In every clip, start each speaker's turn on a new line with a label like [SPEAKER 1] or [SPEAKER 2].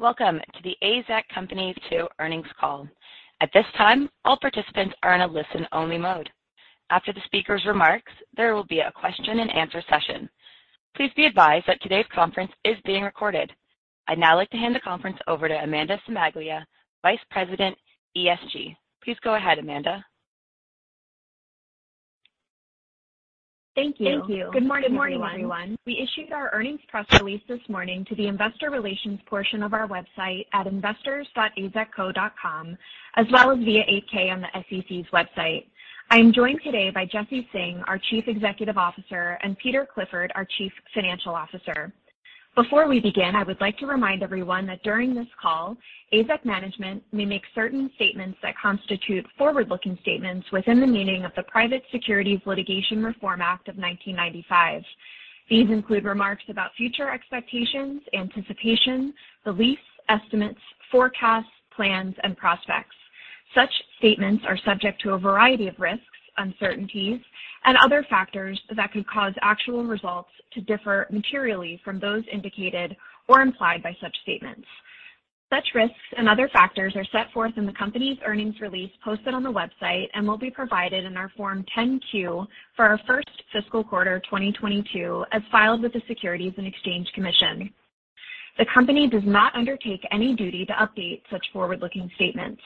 [SPEAKER 1] Welcome to The AZEK Company Q2 earnings call. At this time, all participants are in a listen-only mode. After the speaker's remarks, there will be a question-and-answer session. Please be advised that today's conference is being recorded. I'd now like to hand the conference over to Amanda Cimaglia, Vice President, ESG. Please go ahead, Amanda.
[SPEAKER 2] Thank you. Good morning, everyone. We issued our earnings press release this morning to the investor relations portion of our website at investors.azekco.com, as well as via 8-K on the SEC's website. I am joined today by Jesse Singh, our Chief Executive Officer, and Peter Clifford, our Chief Financial Officer. Before we begin, I would like to remind everyone that during this call, AZEK management may make certain statements that constitute forward-looking statements within the meaning of the Private Securities Litigation Reform Act of 1995. These include remarks about future expectations, anticipation, beliefs, estimates, forecasts, plans, and prospects. Such statements are subject to a variety of risks, uncertainties, and other factors that could cause actual results to differ materially from those indicated or implied by such statements. Such risks and other factors are set forth in the company's earnings release posted on the website and will be provided in our Form 10-Q for our first fiscal quarter 2022 as filed with the Securities and Exchange Commission. The company does not undertake any duty to update such forward-looking statements.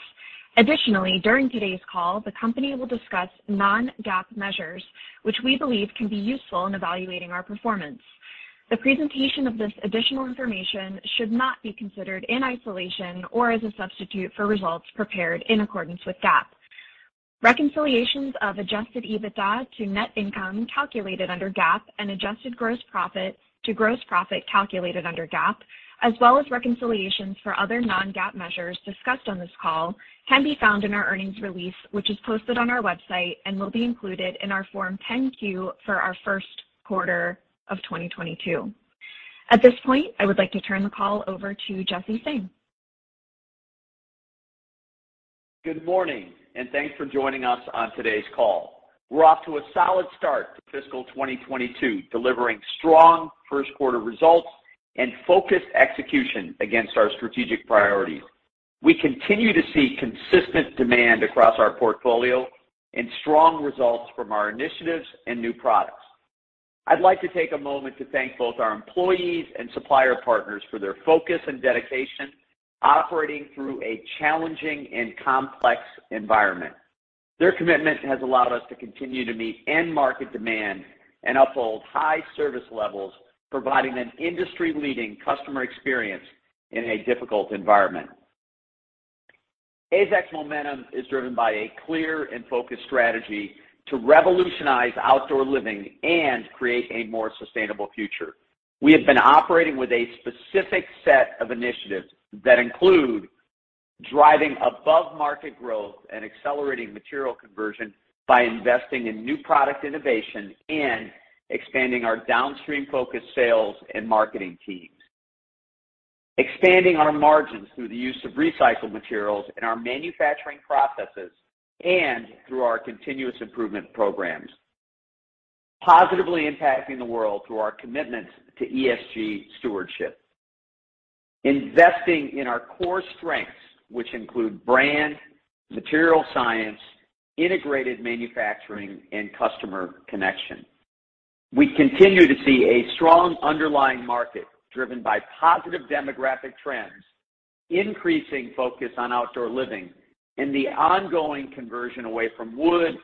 [SPEAKER 2] Additionally, during today's call, the company will discuss non-GAAP measures, which we believe can be useful in evaluating our performance. The presentation of this additional information should not be considered in isolation or as a substitute for results prepared in accordance with GAAP. Reconciliations of adjusted EBITDA to net income calculated under GAAP and adjusted gross profit to gross profit calculated under GAAP, as well as reconciliations for other non-GAAP measures discussed on this call, can be found in our earnings release, which is posted on our website and will be included in our Form 10-Q for our first quarter of 2022. At this point, I would like to turn the call over to Jesse Singh.
[SPEAKER 3] Good morning, and thanks for joining us on today's call. We're off to a solid start for fiscal 2022, delivering strong first quarter results and focused execution against our strategic priorities. We continue to see consistent demand across our portfolio and strong results from our initiatives and new products. I'd like to take a moment to thank both our employees and supplier partners for their focus and dedication, operating through a challenging and complex environment. Their commitment has allowed us to continue to meet end market demand and uphold high service levels, providing an industry-leading customer experience in a difficult environment. AZEK's momentum is driven by a clear and focused strategy to revolutionize outdoor living and create a more sustainable future. We have been operating with a specific set of initiatives that include driving above-market growth and accelerating material conversion by investing in new product innovation and expanding our downstream-focused sales and marketing teams. Expanding our margins through the use of recycled materials in our manufacturing processes and through our continuous improvement programs. Positively impacting the world through our commitments to ESG stewardship. Investing in our core strengths, which include brand, material science, integrated manufacturing, and customer connection. We continue to see a strong underlying market driven by positive demographic trends, increasing focus on outdoor living, and the ongoing conversion away from wood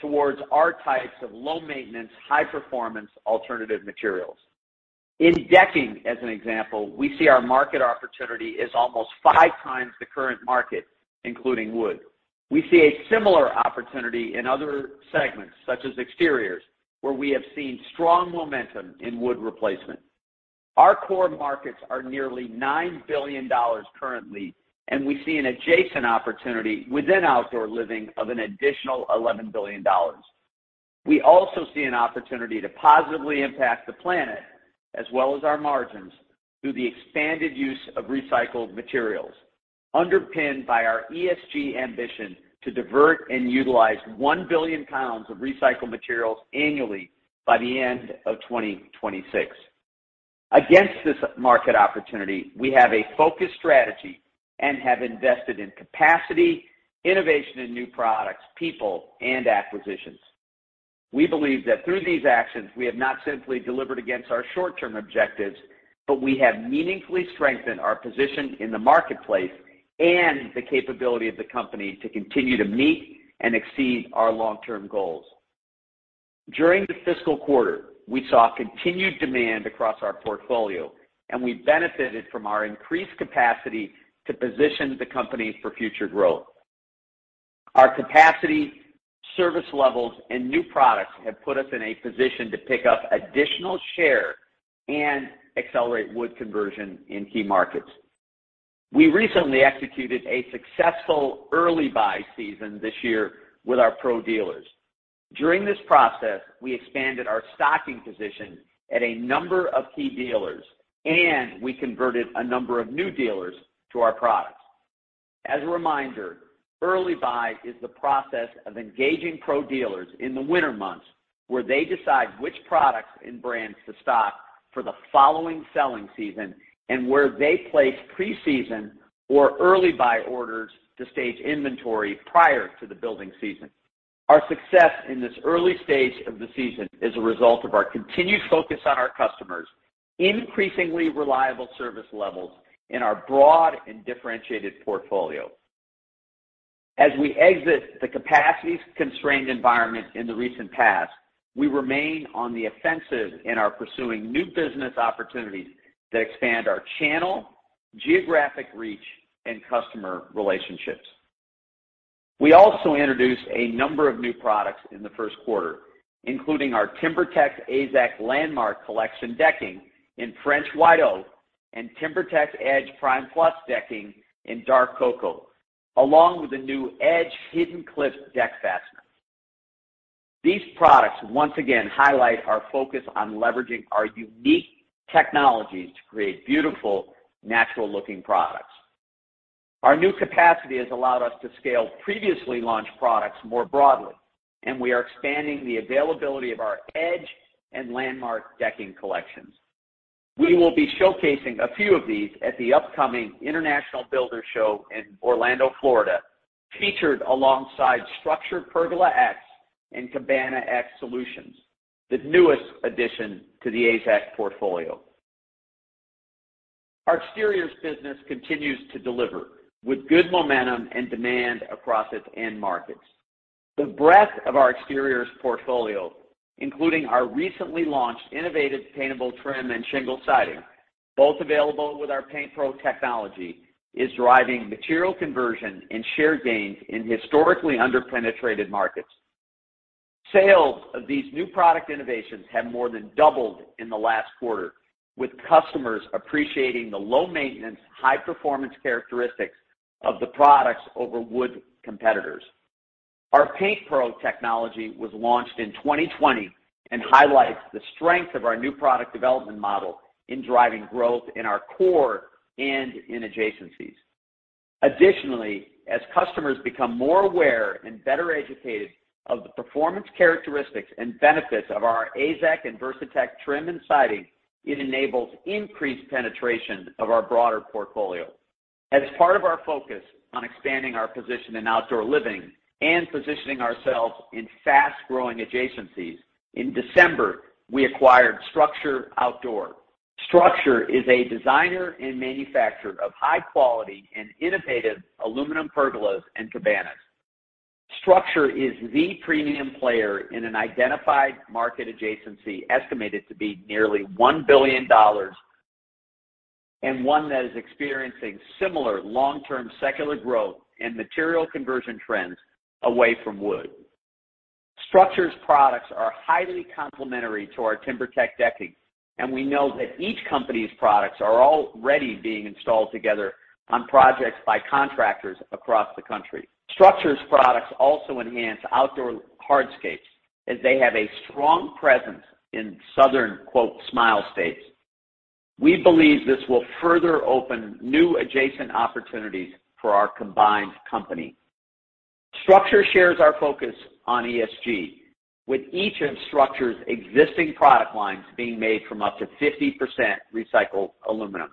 [SPEAKER 3] towards our types of low-maintenance, high-performance alternative materials. In decking, as an example, we see our market opportunity is almost five times the current market, including wood. We see a similar opportunity in other segments, such as exteriors, where we have seen strong momentum in wood replacement. Our core markets are nearly $9 billion currently, and we see an adjacent opportunity within outdoor living of an additional $11 billion. We also see an opportunity to positively impact the planet as well as our margins through the expanded use of recycled materials, underpinned by our ESG ambition to divert and utilize 1 billion lbs of recycled materials annually by the end of 2026. Against this market opportunity, we have a focused strategy and have invested in capacity, innovation in new products, people, and acquisitions. We believe that through these actions, we have not simply delivered against our short-term objectives, but we have meaningfully strengthened our position in the marketplace and the capability of the company to continue to meet and exceed our long-term goals. During the fiscal quarter, we saw continued demand across our portfolio, and we benefited from our increased capacity to position the company for future growth. Our capacity, service levels, and new products have put us in a position to pick up additional share and accelerate wood conversion in key markets. We recently executed a successful early buy season this year with our pro dealers. During this process, we expanded our stocking position at a number of key dealers, and we converted a number of new dealers to our products. As a reminder, early buy is the process of engaging pro dealers in the winter months, where they decide which products and brands to stock for the following selling season and where they place preseason or early buy orders to stage inventory prior to the building season. Our success in this early stage of the season is a result of our continued focus on our customers, increasingly reliable service levels in our broad and differentiated portfolio. As we exit the capacity-constrained environment in the recent past, we remain on the offensive and are pursuing new business opportunities that expand our channel, geographic reach, and customer relationships. We also introduced a number of new products in the first quarter, including our TimberTech AZEK Landmark Collection decking in French White Oak and TimberTech EDGE Prime+ decking in Dark Cocoa, along with the new Edge Hidden Clip deck fastener. These products once again highlight our focus on leveraging our unique technologies to create beautiful natural-looking products. Our new capacity has allowed us to scale previously launched products more broadly, and we are expanding the availability of our Edge and Landmark decking collections. We will be showcasing a few of these at the upcoming International Builders' Show in Orlando, Florida, featured alongside StruXure Pergola X and Cabana X, the newest addition to the AZEK portfolio. Our exteriors business continues to deliver with good momentum and demand across its end markets. The breadth of our exteriors portfolio, including our recently launched innovative paintable trim and shingle siding, both available with our PaintPro technology, is driving material conversion and share gains in historically under-penetrated markets. Sales of these new product innovations have more than doubled in the last quarter, with customers appreciating the low maintenance, high performance characteristics of the products over wood competitors. Our PaintPro technology was launched in 2020 and highlights the strength of our new product development model in driving growth in our core and in adjacencies. Additionally, as customers become more aware and better educated of the performance characteristics and benefits of our AZEK and Versatex trim and siding, it enables increased penetration of our broader portfolio. As part of our focus on expanding our position in outdoor living and positioning ourselves in fast-growing adjacencies, in December, we acquired StruXure Outdoor. StruXure is a designer and manufacturer of high quality and innovative aluminum pergolas and cabanas. StruXure is the premium player in an identified market adjacency estimated to be nearly $1 billion, and one that is experiencing similar long-term secular growth and material conversion trends away from wood. StruXure's products are highly complementary to our TimberTech decking, and we know that each company's products are already being installed together on projects by contractors across the country. StruXure's products also enhance outdoor hardscapes as they have a strong presence in southern, quote, Sunbelt states. We believe this will further open new adjacent opportunities for our combined company. StruXure shares our focus on ESG with each of StruXure's existing product lines being made from up to 50% recycled aluminum.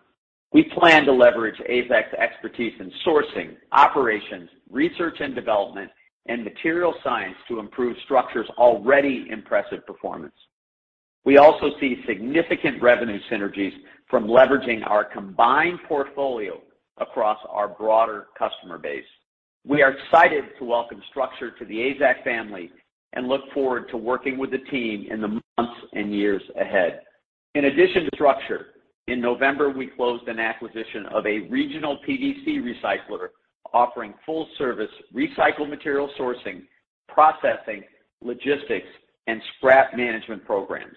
[SPEAKER 3] We plan to leverage AZEK's expertise in sourcing, operations, research and development, and material science to improve StruXure's already impressive performance. We also see significant revenue synergies from leveraging our combined portfolio across our broader customer base. We are excited to welcome StruXure to the AZEK family and look forward to working with the team in the months and years ahead. In addition to StruXure, in November, we closed an acquisition of a regional PVC recycler offering full service recycled material sourcing, processing, logistics, and scrap management programs.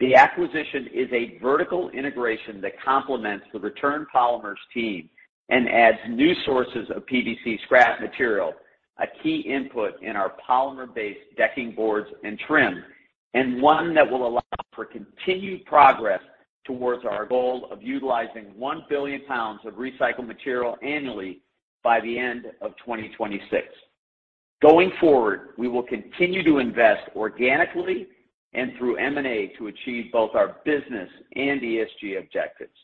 [SPEAKER 3] The acquisition is a vertical integration that complements the Return Polymers team and adds new sources of PVC scrap material, a key input in our polymer-based decking boards and trim, and one that will allow for continued progress towards our goal of utilizing 1 billion lbs of recycled material annually by the end of 2026. Going forward, we will continue to invest organically and through M&A to achieve both our business and ESG objectives.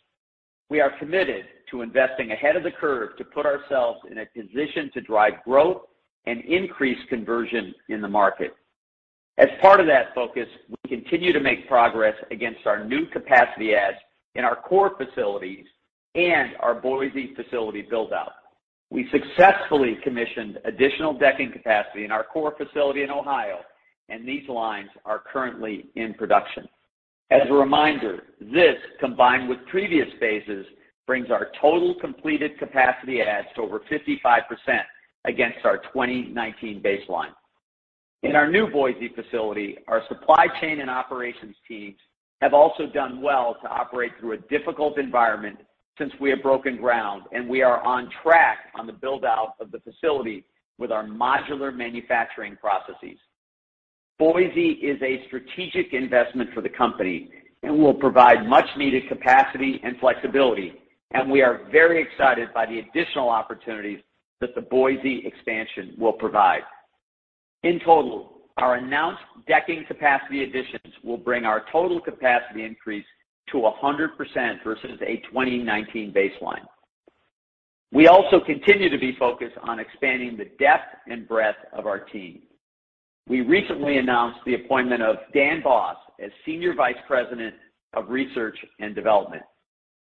[SPEAKER 3] We are committed to investing ahead of the curve to put ourselves in a position to drive growth and increase conversion in the market. As part of that focus, we continue to make progress against our new capacity adds in our core facilities and our Boise facility build-out. We successfully commissioned additional decking capacity in our core facility in Ohio, and these lines are currently in production. As a reminder, this, combined with previous phases, brings our total completed capacity adds to over 55% against our 2019 baseline. In our new Boise facility, our supply chain and operations teams have also done well to operate through a difficult environment since we have broken ground, and we are on track on the build-out of the facility with our modular manufacturing processes. Boise is a strategic investment for the company and will provide much needed capacity and flexibility, and we are very excited by the additional opportunities that the Boise expansion will provide. In total, our announced decking capacity additions will bring our total capacity increase to 100% versus a 2019 baseline. We also continue to be focused on expanding the depth and breadth of our team. We recently announced the appointment of Daniel Boss as Senior Vice President of Research and Development.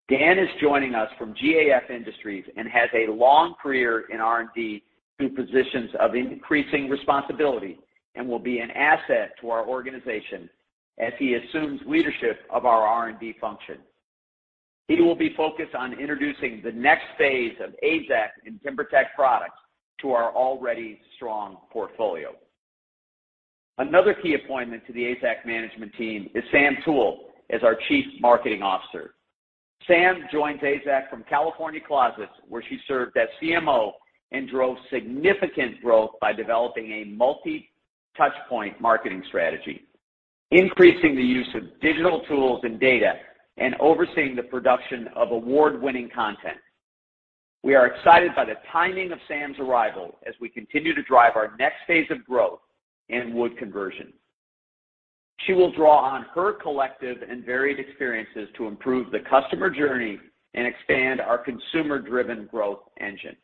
[SPEAKER 3] Dan Boss is joining us from GAF Industries and has a long career in R&D through positions of increasing responsibility and will be an asset to our organization as he assumes leadership of our R&D function. He will be focused on introducing the next phase of AZEK and TimberTech products to our already strong portfolio. Another key appointment to the AZEK management team is Sam Toole as our Chief Marketing Officer. Sam joins AZEK from California Closets, where she served as CMO and drove significant growth by developing a multi-touch point marketing strategy, increasing the use of digital tools and data, and overseeing the production of award-winning content. We are excited by the timing of Sam's arrival as we continue to drive our next phase of growth in wood conversion. She will draw on her collective and varied experiences to improve the customer journey and expand our consumer-driven growth engine.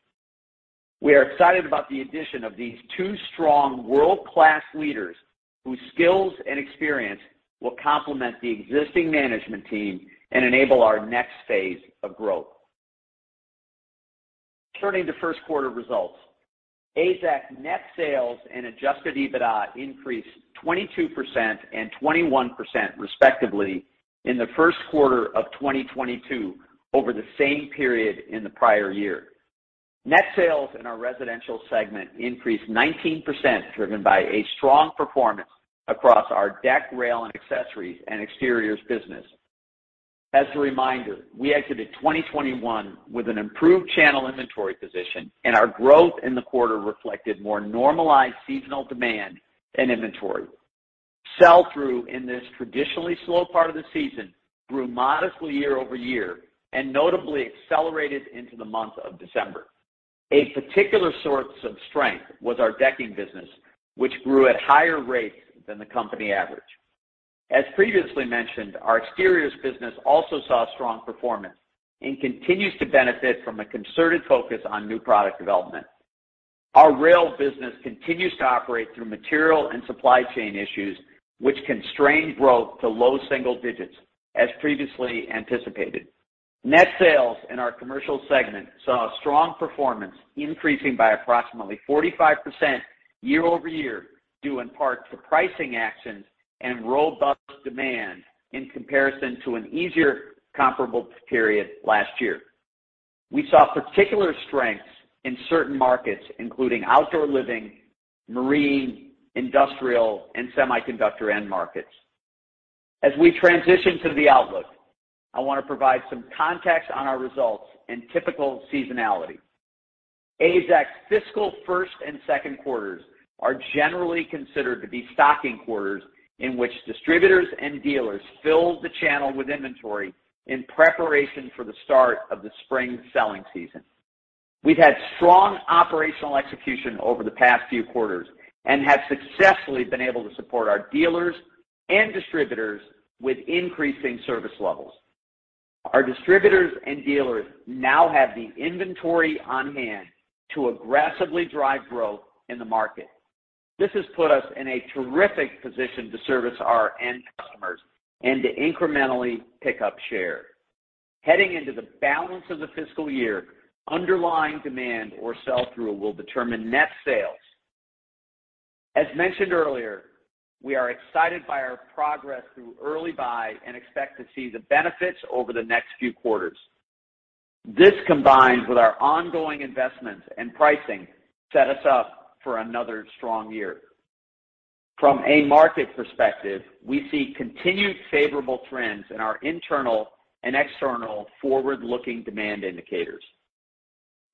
[SPEAKER 3] We are excited about the addition of these two strong world-class leaders whose skills and experience will complement the existing management team and enable our next phase of growth. Turning to first quarter results, AZEK net sales and adjusted EBITDA increased 22% and 21% respectively in the first quarter of 2022 over the same period in the prior year. Net sales in our residential segment increased 19%, driven by a strong performance across our deck, rail, and accessories and exteriors business. As a reminder, we exited 2021 with an improved channel inventory position, and our growth in the quarter reflected more normalized seasonal demand and inventory. Sell-through in this traditionally slow part of the season grew modestly year-over-year and notably accelerated into the month of December. A particular source of strength was our decking business, which grew at higher rates than the company average. As previously mentioned, our exteriors business also saw strong performance and continues to benefit from a concerted focus on new product development. Our rail business continues to operate through material and supply chain issues, which constrain growth to low single digits as previously anticipated. Net sales in our commercial segment saw a strong performance, increasing by approximately 45% year-over-year, due in part to pricing actions and robust demand in comparison to an easier comparable period last year. We saw particular strengths in certain markets, including outdoor living, marine, industrial, and semiconductor end markets. As we transition to the outlook, I want to provide some context on our results and typical seasonality. AZEK's fiscal first and second quarters are generally considered to be stocking quarters in which distributors and dealers fill the channel with inventory in preparation for the start of the spring selling season. We've had strong operational execution over the past few quarters and have successfully been able to support our dealers and distributors with increasing service levels. Our distributors and dealers now have the inventory on-hand to aggressively drive growth in the market. This has put us in a terrific position to service our end customers and to incrementally pick up share. Heading into the balance of the fiscal year, underlying demand or sell-through will determine net sales. As mentioned earlier, we are excited by our progress through early buy and expect to see the benefits over the next few quarters. This, combined with our ongoing investments and pricing, set us up for another strong year. From a market perspective, we see continued favorable trends in our internal and external forward-looking demand indicators.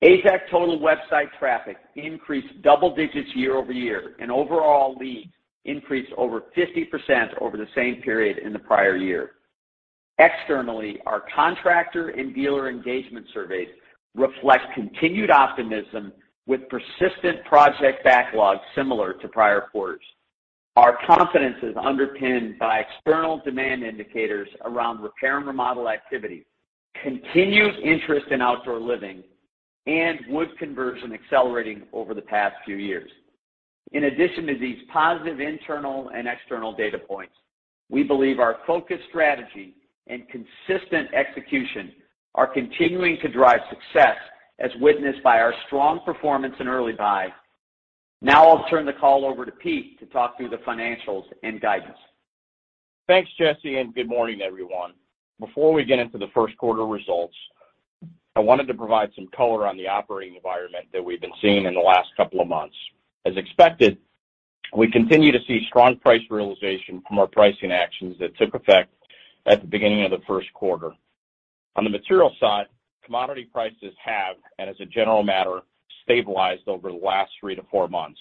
[SPEAKER 3] AZEK total website traffic increased double digits year-over-year, and overall leads increased over 50% over the same period in the prior year. Externally, our contractor and dealer engagement surveys reflect continued optimism with persistent project backlogs similar to prior quarters. Our confidence is underpinned by external demand indicators around repair and remodel activity, continued interest in outdoor living, and wood conversion accelerating over the past few years. In addition to these positive internal and external data points, we believe our focused strategy and consistent execution are continuing to drive success, as witnessed by our strong performance in early buy. Now I'll turn the call over to Pete to talk through the financials and guidance.
[SPEAKER 4] Thanks, Jesse, and good morning, everyone. Before we get into the first quarter results, I wanted to provide some color on the operating environment that we've been seeing in the last couple of months. As expected, we continue to see strong price realization from our pricing actions that took effect at the beginning of the first quarter. On the material side, commodity prices have, and as a general matter, stabilized over the last 3-4 months.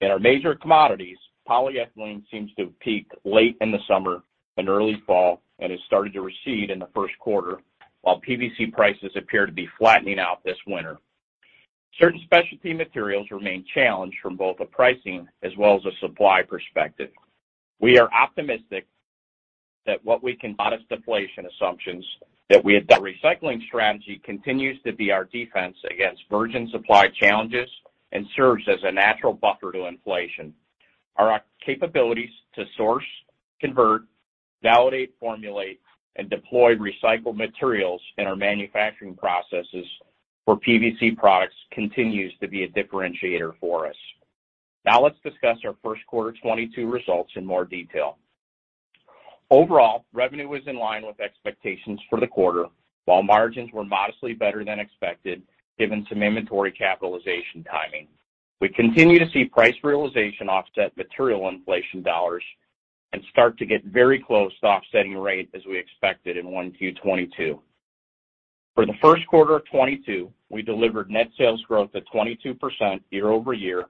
[SPEAKER 4] In our major commodities, polyethylene seems to have peaked late in the summer and early fall and has started to recede in the first quarter, while PVC prices appear to be flattening out this winter. Certain specialty materials remain challenged from both a pricing as well as a supply perspective. Our recycling strategy continues to be our defense against virgin supply challenges and serves as a natural buffer to inflation. Our capabilities to source, convert, validate, formulate, and deploy recycled materials in our manufacturing processes for PVC products continues to be a differentiator for us. Now let's discuss our first quarter 2022 results in more detail. Overall, revenue was in line with expectations for the quarter, while margins were modestly better than expected given some inventory capitalization timing. We continue to see price realization offset material inflation dollars and start to get very close to offsetting rate as we expected in Q1 2022. For the first quarter of 2022, we delivered net sales growth of 22% year-over-year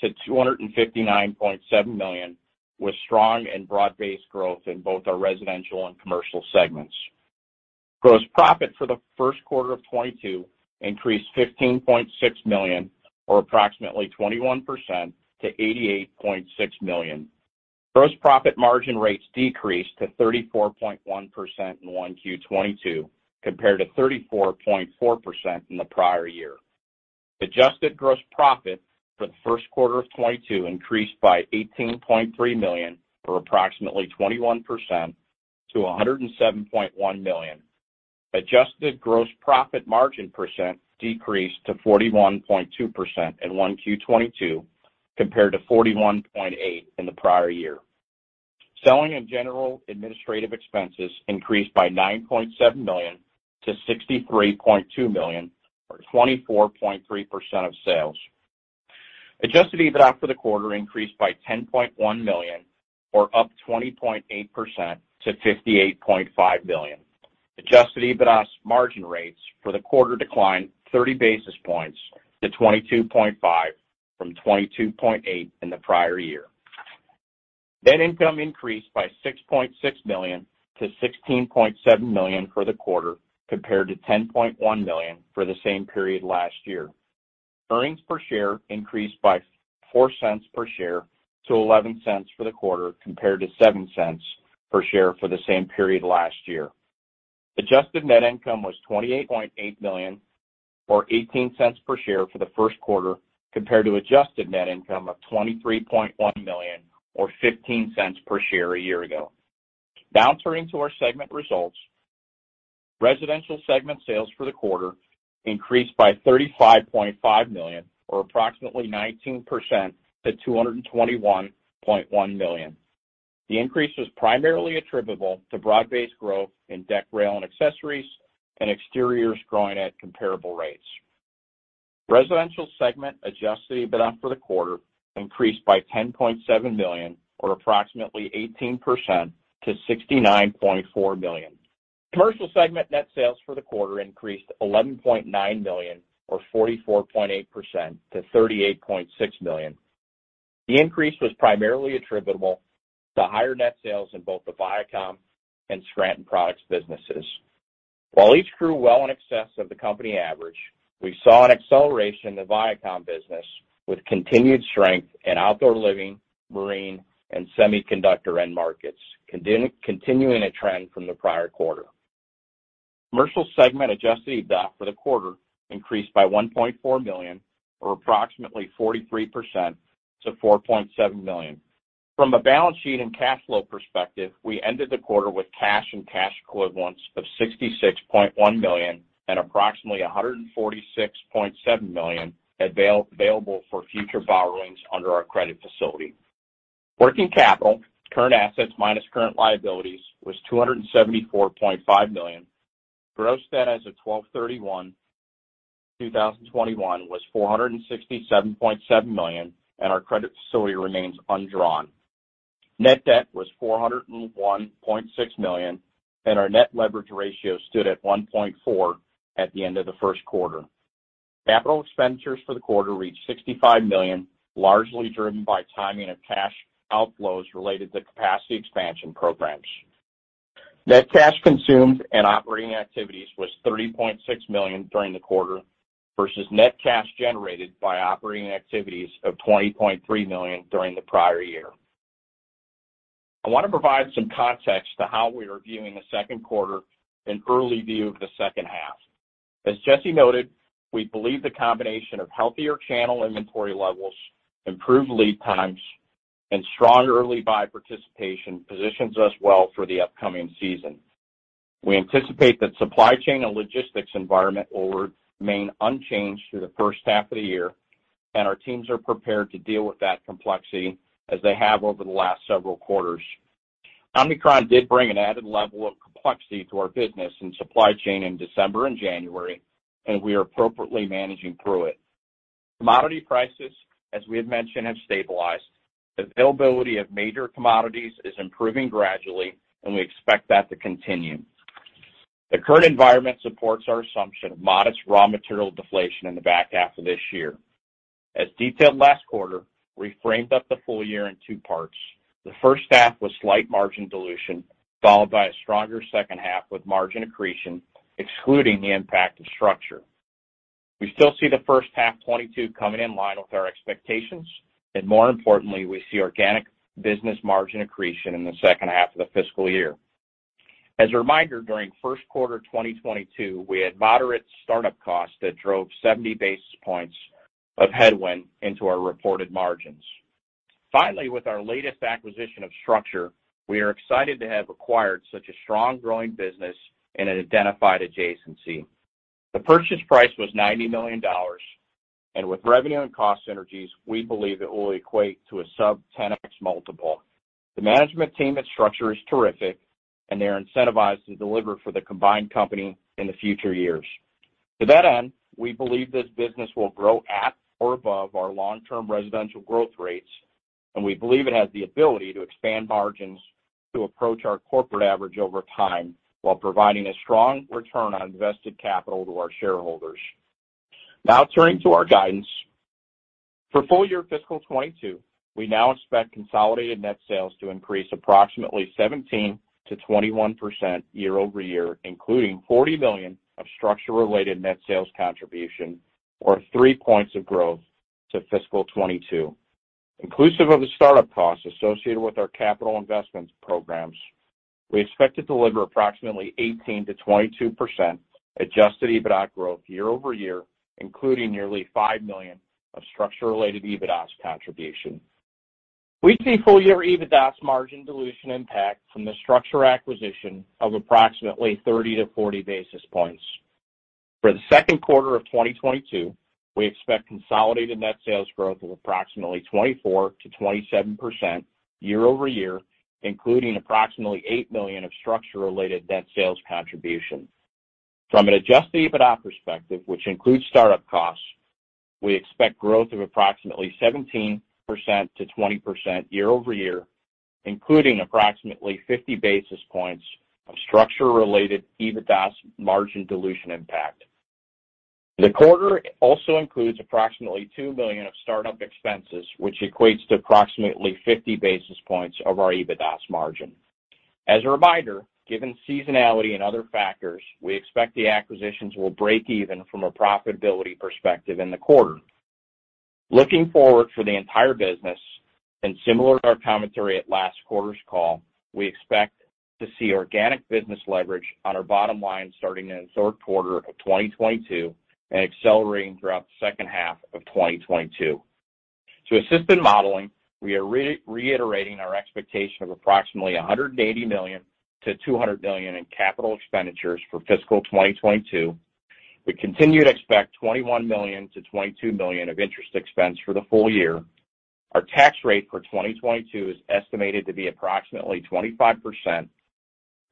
[SPEAKER 4] to $259.7 million, with strong and broad-based growth in both our residential and commercial segments. Gross profit for the first quarter of 2022 increased $15.6 million or approximately 21% to $88.6 million. Gross profit margin rates decreased to 34.1% in 1Q 2022 compared to 34.4% in the prior year. Adjusted gross profit for the first quarter of 2022 increased by $18.3 million or approximately 21% to $107.1 million. Adjusted gross profit margin percent decreased to 41.2% in 1Q 2022 compared to 41.8% in the prior year. Selling and general administrative expenses increased by $9.7 million to $63.2 million or 24.3% of sales. Adjusted EBITDA for the quarter increased by $10.1 million or up 20.8% to $58.5 million. Adjusted EBITDA's margin rates for the quarter declined 30 basis points to 22.5% from 22.8% in the prior year. Net income increased by $6.6 million to $16.7 million for the quarter compared to $10.1 million for the same period last year. Earnings per share increased by $0.04 per share to $0.11 for the quarter compared to $0.07 per share for the same period last year. Adjusted net income was $28.8 million or $0.18 per share for the first quarter compared to adjusted net income of $23.1 million or $0.15 per share a year ago. Bouncing into our segment results, Residential segment sales for the quarter increased by $35.5 million or approximately 19% to $221.1 million. The increase was primarily attributable to broad-based growth in deck, rail, and accessories, and exteriors growing at comparable rates. Residential segment adjusted EBITDA for the quarter increased by $10.7 million or approximately 18% to $69.4 million. Commercial segment net sales for the quarter increased $11.9 million or 44.8% to $38.6 million. The increase was primarily attributable to higher net sales in both the Vycom and Scranton Products businesses. While each grew well in excess of the company average, we saw an acceleration in the Vycom business with continued strength in outdoor living, marine, and semiconductor end markets, continuing a trend from the prior quarter. Commercial segment adjusted EBITDA for the quarter increased by $1.4 million or approximately 43% to $4.7 million. From a balance sheet and cash flow perspective, we ended the quarter with cash and cash equivalents of $66.1 million and approximately $146.7 million available for future borrowings under our credit facility. Working capital, current assets minus current liabilities, was $274.5 million. Gross debt as of 12/31/2021 was $467.7 million, and our credit facility remains undrawn. Net debt was $401.6 million, and our net leverage ratio stood at 1.4 at the end of the first quarter. Capital expenditures for the quarter reached $65 million, largely driven by timing of cash outflows related to capacity expansion programs. Net cash consumed in operating activities was $30.6 million during the quarter versus net cash generated by operating activities of $20.3 million during the prior year. I want to provide some context to how we are viewing the second quarter and early view of the second half. As Jesse noted, we believe the combination of healthier channel inventory levels, improved lead times, and strong early buy participation positions us well for the upcoming season. We anticipate that supply chain and logistics environment will remain unchanged through the first half of the year, and our teams are prepared to deal with that complexity as they have over the last several quarters. Omicron did bring an added level of complexity to our business and supply chain in December and January, and we are appropriately managing through it. Commodity prices, as we had mentioned, have stabilized. The availability of major commodities is improving gradually, and we expect that to continue. The current environment supports our assumption of modest raw material deflation in the back half of this year. As detailed last quarter, we framed up the full year in two parts. The first half was slight margin dilution, followed by a stronger second half with margin accretion, excluding the impact of StruXure. We still see the first half 2022 coming in line with our expectations, and more importantly, we see organic business margin accretion in the second half of the fiscal year. As a reminder, during first quarter 2022, we had moderate startup costs that drove 70 basis points of headwind into our reported margins. Finally, with our latest acquisition of StruXure, we are excited to have acquired such a strong growing business in an identified adjacency. The purchase price was $90 million, and with revenue and cost synergies, we believe it will equate to a sub-10x multiple. The management team at StruXure is terrific, and they are incentivized to deliver for the combined company in the future years. To that end, we believe this business will grow at or above our long-term residential growth rates, and we believe it has the ability to expand margins to approach our corporate average over time while providing a strong return on invested capital to our shareholders. Now turning to our guidance. For full year fiscal 2022, we now expect consolidated net sales to increase approximately 17%-21% year-over-year, including $40 million of StruXure-related net sales contribution or 3 points of growth to fiscal 2022. Inclusive of the startup costs associated with our capital investment programs, we expect to deliver approximately 18%-22% adjusted EBITDA growth year-over-year, including nearly $5 million of StruXure-related EBITDA contribution. We see full year EBITDA margin dilution impact from the StruXure acquisition of approximately 30-40 basis points. For the second quarter of 2022, we expect consolidated net sales growth of approximately 24%-27% year-over-year, including approximately $8 million of StruXure-related net sales contribution. From an adjusted EBITDA perspective, which includes startup costs, we expect growth of approximately 17%-20% year-over-year, including approximately 50 basis points of StruXure-related EBITDA margin dilution impact. The quarter also includes approximately $2 million of startup expenses, which equates to approximately 50 basis points of our EBITDA margin. As a reminder, given seasonality and other factors, we expect the acquisitions will break even from a profitability perspective in the quarter. Looking forward for the entire business, and similar to our commentary at last quarter's call, we expect to see organic business leverage on our bottom line starting in the third quarter of 2022 and accelerating throughout the second half of 2022. To assist in modeling, we are reiterating our expectation of approximately $180 million-$200 million in capital expenditures for fiscal 2022. We continue to expect $21 million-$22 million of interest expense for the full year. Our tax rate for 2022 is estimated to be approximately 25%.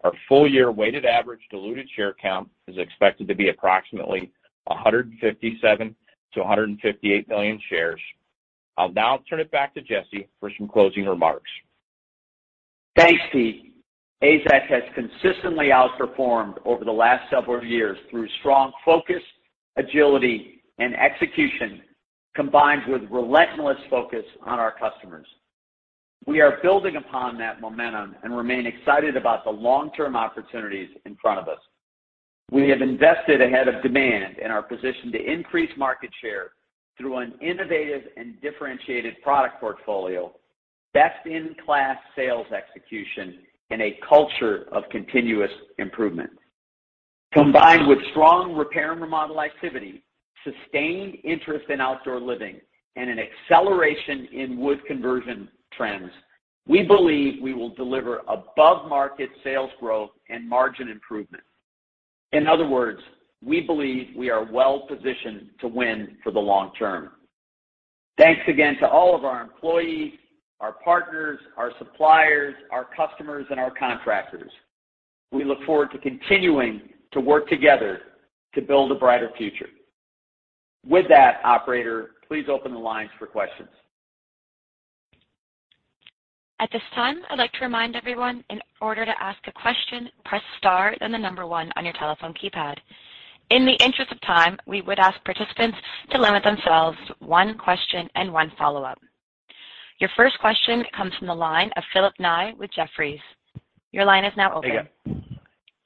[SPEAKER 4] Our full year weighted average diluted share count is expected to be approximately 157 million-158 million shares. I'll now turn it back to Jesse for some closing remarks.
[SPEAKER 3] Thanks, Pete. AZEK has consistently outperformed over the last several years through strong focus, agility, and execution, combined with relentless focus on our customers. We are building upon that momentum and remain excited about the long-term opportunities in front of us. We have invested ahead of demand and are positioned to increase market share through an innovative and differentiated product portfolio, best-in-class sales execution, and a culture of continuous improvement. Combined with strong repair and remodel activity, sustained interest in outdoor living, and an acceleration in wood conversion trends, we believe we will deliver above-market sales growth and margin improvement. In other words, we believe we are well-positioned to win for the long term. Thanks again to all of our employees, our partners, our suppliers, our customers, and our contractors. We look forward to continuing to work together to build a brighter future. With that, operator, please open the lines for questions.
[SPEAKER 1] At this time, I'd like to remind everyone in order to ask a question, press star, then the number one on your telephone keypad. In the interest of time, we would ask participants to limit themselves one question and one follow-up. Your first question comes from the line of Phil Ng with Jefferies. Your line is now open.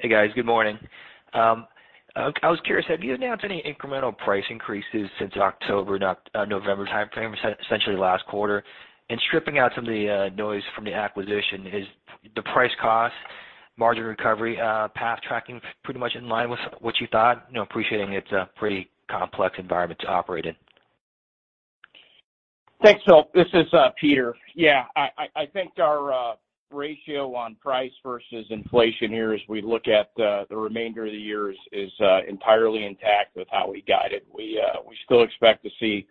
[SPEAKER 5] Hey, guys. Good morning. I was curious, have you announced any incremental price increases since October, November timeframe, essentially last quarter? Stripping out some of the noise from the acquisition, is the price cost margin recovery path tracking pretty much in line with what you thought? You know, appreciating it's a pretty complex environment to operate in.
[SPEAKER 4] Thanks, Phil. This is Peter. Yeah, I think our ratio on price versus inflation here as we look at the remainder of the year is entirely intact with how we guide it. We still expect to see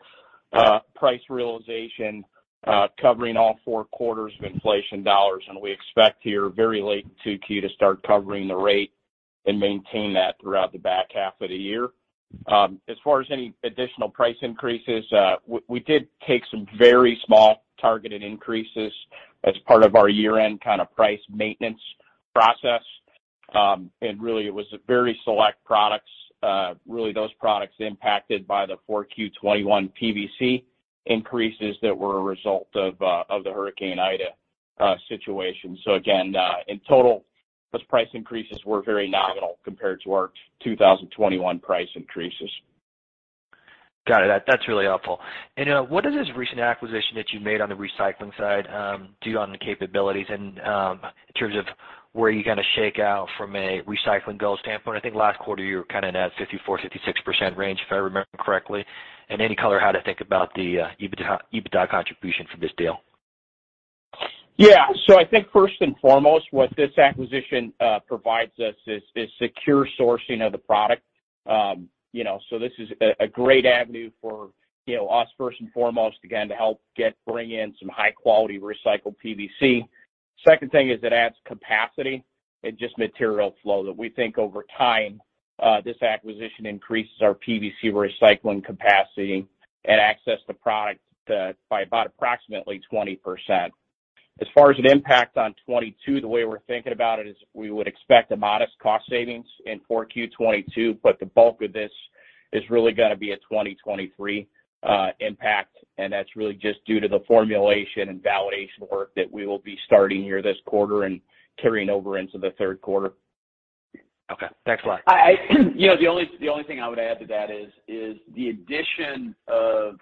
[SPEAKER 4] price realization covering all four quarters of inflation dollars. We expect here very late in 2Q to start covering the rate. Maintain that throughout the back half of the year. As far as any additional price increases, we did take some very small targeted increases as part of our year-end kind of price maintenance process. Really it was a very select products, really those products impacted by the 4Q 2021 PVC increases that were a result of the Hurricane Ida situation. Again, in total, those price increases were very nominal compared to our 2021 price increases.
[SPEAKER 5] Got it. That's really helpful. What does this recent acquisition that you made on the recycling side do on the capabilities and in terms of where you're gonna shake out from a recycling goal standpoint? I think last quarter you were kind of in that 54%-56% range, if I remember correctly. Any color how to think about the EBITDA contribution for this deal?
[SPEAKER 3] Yeah. I think first and foremost, what this acquisition provides us is secure sourcing of the product. You know, this is a great avenue for, you know, us first and foremost, again, to help bring in some high-quality recycled PVC. Second thing is it adds capacity and just material flow that we think over time, this acquisition increases our PVC recycling capacity and access to product by about approximately 20%. As far as an impact on 2022, the way we're thinking about it is we would expect a modest cost savings in 4Q 2022, but the bulk of this is really gonna be a 2023 impact, and that's really just due to the formulation and validation work that we will be starting here this quarter and carrying over into the third quarter.
[SPEAKER 5] Okay. Thanks a lot.
[SPEAKER 3] I you know, the only thing I would add to that is the addition of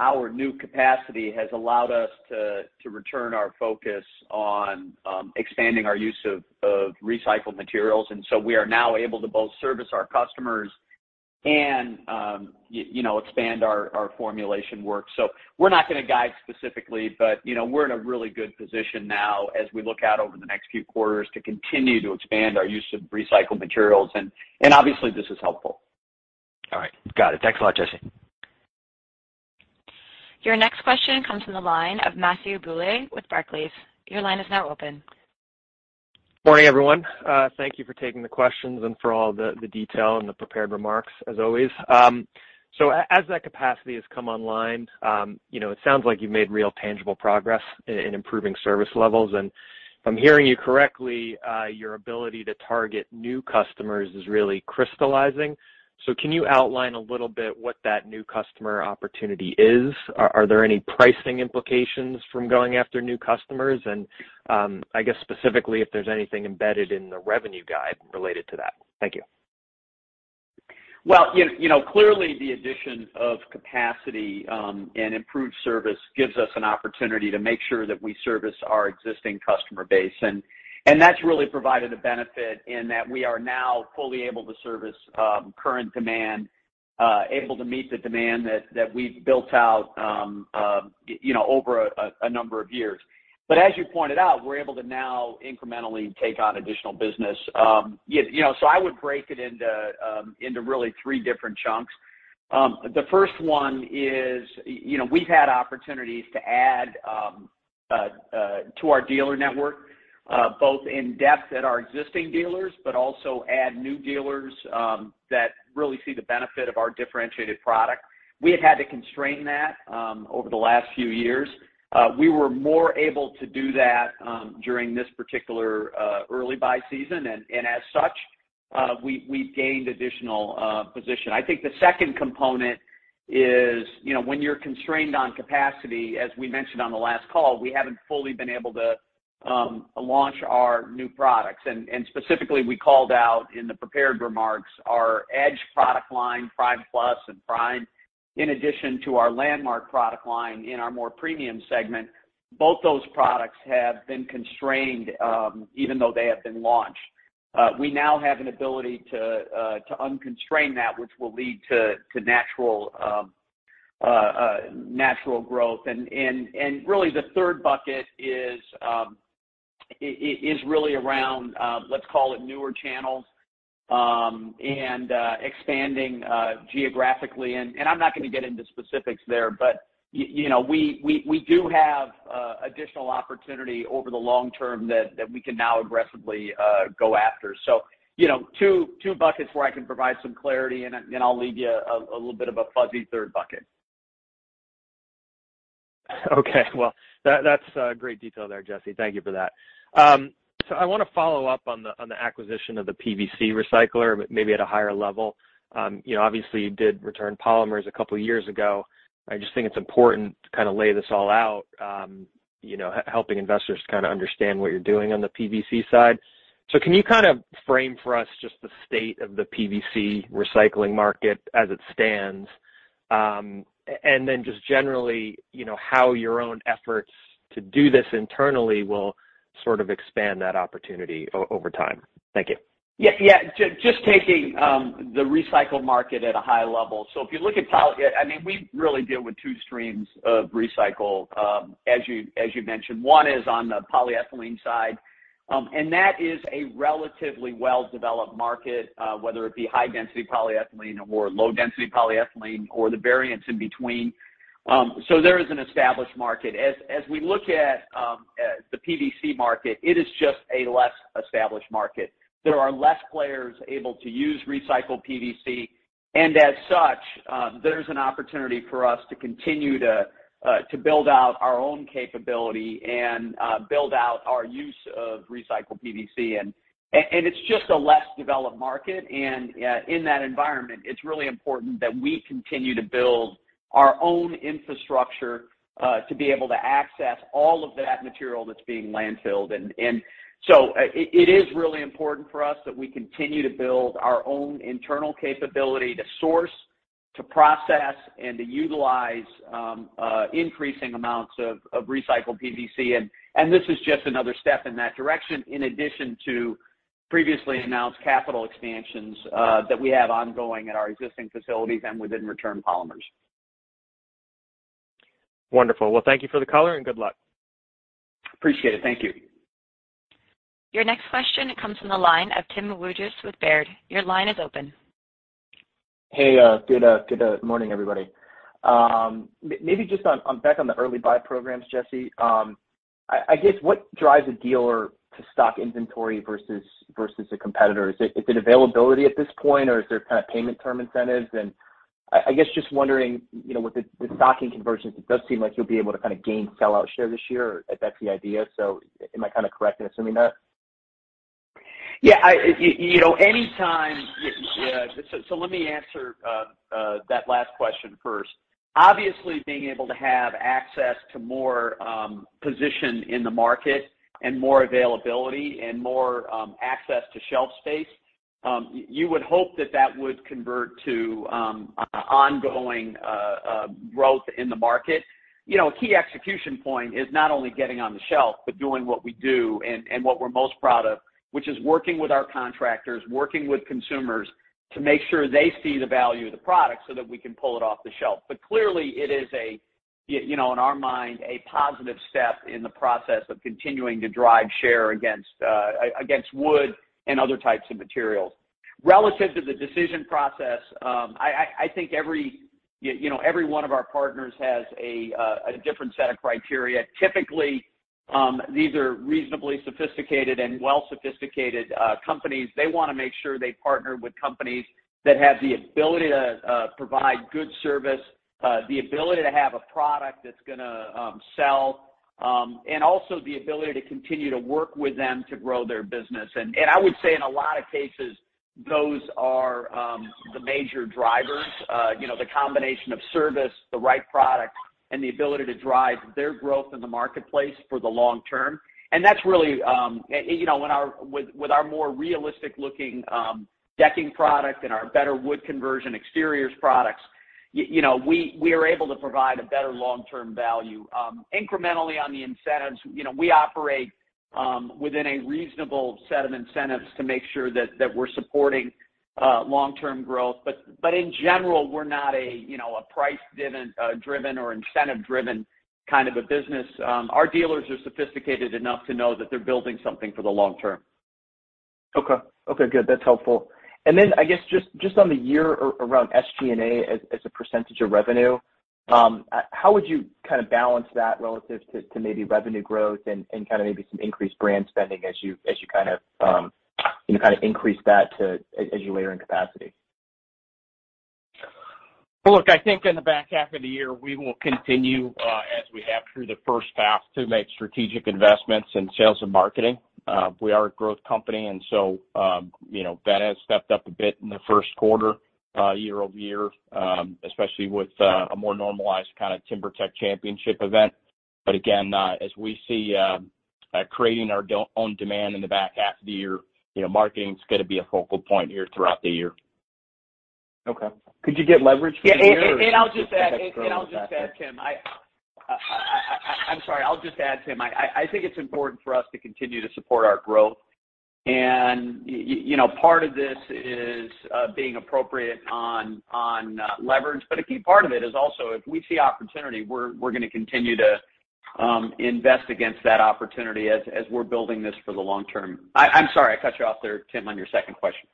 [SPEAKER 3] our new capacity has allowed us to return our focus on expanding our use of recycled materials. We are now able to both service our customers and you know, expand our formulation work. We're not gonna guide specifically, but you know, we're in a really good position now as we look out over the next few quarters to continue to expand our use of recycled materials. Obviously, this is helpful.
[SPEAKER 5] All right. Got it. Thanks a lot, Jesse.
[SPEAKER 1] Your next question comes from the line of Matthew Bouley with Barclays. Your line is now open.
[SPEAKER 6] Morning, everyone. Thank you for taking the questions and for all the detail and the prepared remarks as always. As that capacity has come online, you know, it sounds like you've made real tangible progress in improving service levels. If I'm hearing you correctly, your ability to target new customers is really crystallizing. Can you outline a little bit what that new customer opportunity is? Are there any pricing implications from going after new customers? I guess specifically if there's anything embedded in the revenue guide related to that. Thank you.
[SPEAKER 3] Well, you know, clearly the addition of capacity, and improved service gives us an opportunity to make sure that we service our existing customer base. That's really provided a benefit in that we are now fully able to service current demand, able to meet the demand that we've built out, you know, over a number of years. But as you pointed out, we're able to now incrementally take on additional business. You know, so I would break it into really three different chunks. The first one is, you know, we've had opportunities to add to our dealer network, both in depth at our existing dealers, but also add new dealers, that really see the benefit of our differentiated product. We had had to constrain that over the last few years. We were more able to do that during this particular early buy season. As such, we've gained additional position. I think the second component is, you know, when you're constrained on capacity, as we mentioned on the last call, we haven't fully been able to launch our new products. Specifically, we called out in the prepared remarks our Edge product line, Prime+ and Prime, in addition to our Landmark product line in our more premium segment. Both those products have been constrained even though they have been launched. We now have an ability to unconstrain that, which will lead to natural growth. really the third bucket is really around, let's call it newer channels, and expanding geographically. I'm not gonna get into specifics there, but you know, we do have additional opportunity over the long term that we can now aggressively go after. you know, two buckets where I can provide some clarity, and I'll leave you a little bit of a fuzzy third bucket.
[SPEAKER 6] Okay. Well, that's great detail there, Jesse. Thank you for that. I want to follow up on the acquisition of the PVC recycler, but maybe at a higher level. You know, obviously you did Return Polymers a couple of years ago. I just think it's important to kind of lay this all out, you know, helping investors kind of understand what you're doing on the PVC side. Can you kind of frame for us just the state of the PVC recycling market as it stands? And then just generally, you know, how your own efforts to do this internally will sort of expand that opportunity over time. Thank you.
[SPEAKER 3] Yeah. Just taking the recycling market at a high level. I mean, we really deal with two streams of recycling, as you mentioned. One is on the polyethylene side, and that is a relatively well-developed market, whether it be high density polyethylene or low density polyethylene or the variants in between. So there is an established market. As we look at the PVC market, it is just a less established market. There are less players able to use recycled PVC. And as such, there's an opportunity for us to continue to build out our own capability and build out our use of recycled PVC. It's just a less developed market. In that environment, it's really important that we continue to build our own infrastructure to be able to access all of that material that's being landfilled. It is really important for us that we continue to build our own internal capability to source, to process, and to utilize increasing amounts of recycled PVC. This is just another step in that direction, in addition to previously announced capital expansions that we have ongoing at our existing facilities and within Return Polymers.
[SPEAKER 6] Wonderful. Well, thank you for the color, and good luck.
[SPEAKER 3] Appreciate it. Thank you.
[SPEAKER 1] Your next question comes from the line of Timothy Wojs with Baird. Your line is open.
[SPEAKER 7] Hey, good morning, everybody. Maybe just back on the early buy programs, Jesse. I guess what drives a dealer to stock inventory versus a competitor? Is it availability at this point, or is there kind of payment term incentives? I guess, just wondering, you know, with the stocking conversions, it does seem like you'll be able to kind of gain sellout share this year, if that's the idea. Am I kinda correct in assuming that?
[SPEAKER 3] Let me answer that last question first. Obviously, being able to have access to more position in the market and more availability and more access to shelf space, you would hope that that would convert to ongoing growth in the market. You know, a key execution point is not only getting on the shelf but doing what we do and what we're most proud of, which is working with our contractors, working with consumers to make sure they see the value of the product so that we can pull it off the shelf. Clearly, it is a you know, in our mind, a positive step in the process of continuing to drive share against wood and other types of materials. Relative to the decision process, I think, you know, every one of our partners has a different set of criteria. Typically, these are reasonably sophisticated and well-sophisticated companies. They wanna make sure they partner with companies that have the ability to provide good service, the ability to have a product that's gonna sell, and also the ability to continue to work with them to grow their business. I would say in a lot of cases, those are the major drivers, you know, the combination of service, the right product, and the ability to drive their growth in the marketplace for the long term. That's really, you know, with our more realistic looking decking product and our better wood conversion exteriors products, you know, we are able to provide a better long-term value. Incrementally on the incentives, you know, we operate within a reasonable set of incentives to make sure that we're supporting long-term growth. In general, we're not a, you know, a price-driven or incentive-driven kind of a business. Our dealers are sophisticated enough to know that they're building something for the long term.
[SPEAKER 7] Okay. Okay, good. That's helpful. Then I guess just on the year around SG&A as a percentage of revenue, how would you kind of balance that relative to maybe revenue growth and kinda maybe some increased brand spending as you kind of you know kind of increase that to as you layer in capacity?
[SPEAKER 4] Look, I think in the back half of the year, we will continue as we have through the first half to make strategic investments in sales and marketing. We are a growth company, and so, you know, that has stepped up a bit in the first quarter year-over-year, especially with a more normalized kind of TimberTech Championship event. Again, as we see creating our own demand in the back half of the year, you know, marketing's gonna be a focal point here throughout the year.
[SPEAKER 7] Okay. Could you get leverage from here or is it just gonna grow a little faster?
[SPEAKER 3] I'll just add, Tim. I'm sorry. I think it's important for us to continue to support our growth. You know, part of this is being appropriate on leverage. A key part of it is also, if we see opportunity, we're gonna continue to invest against that opportunity as we're building this for the long term. I'm sorry, I cut you off there, Tim, on your second question.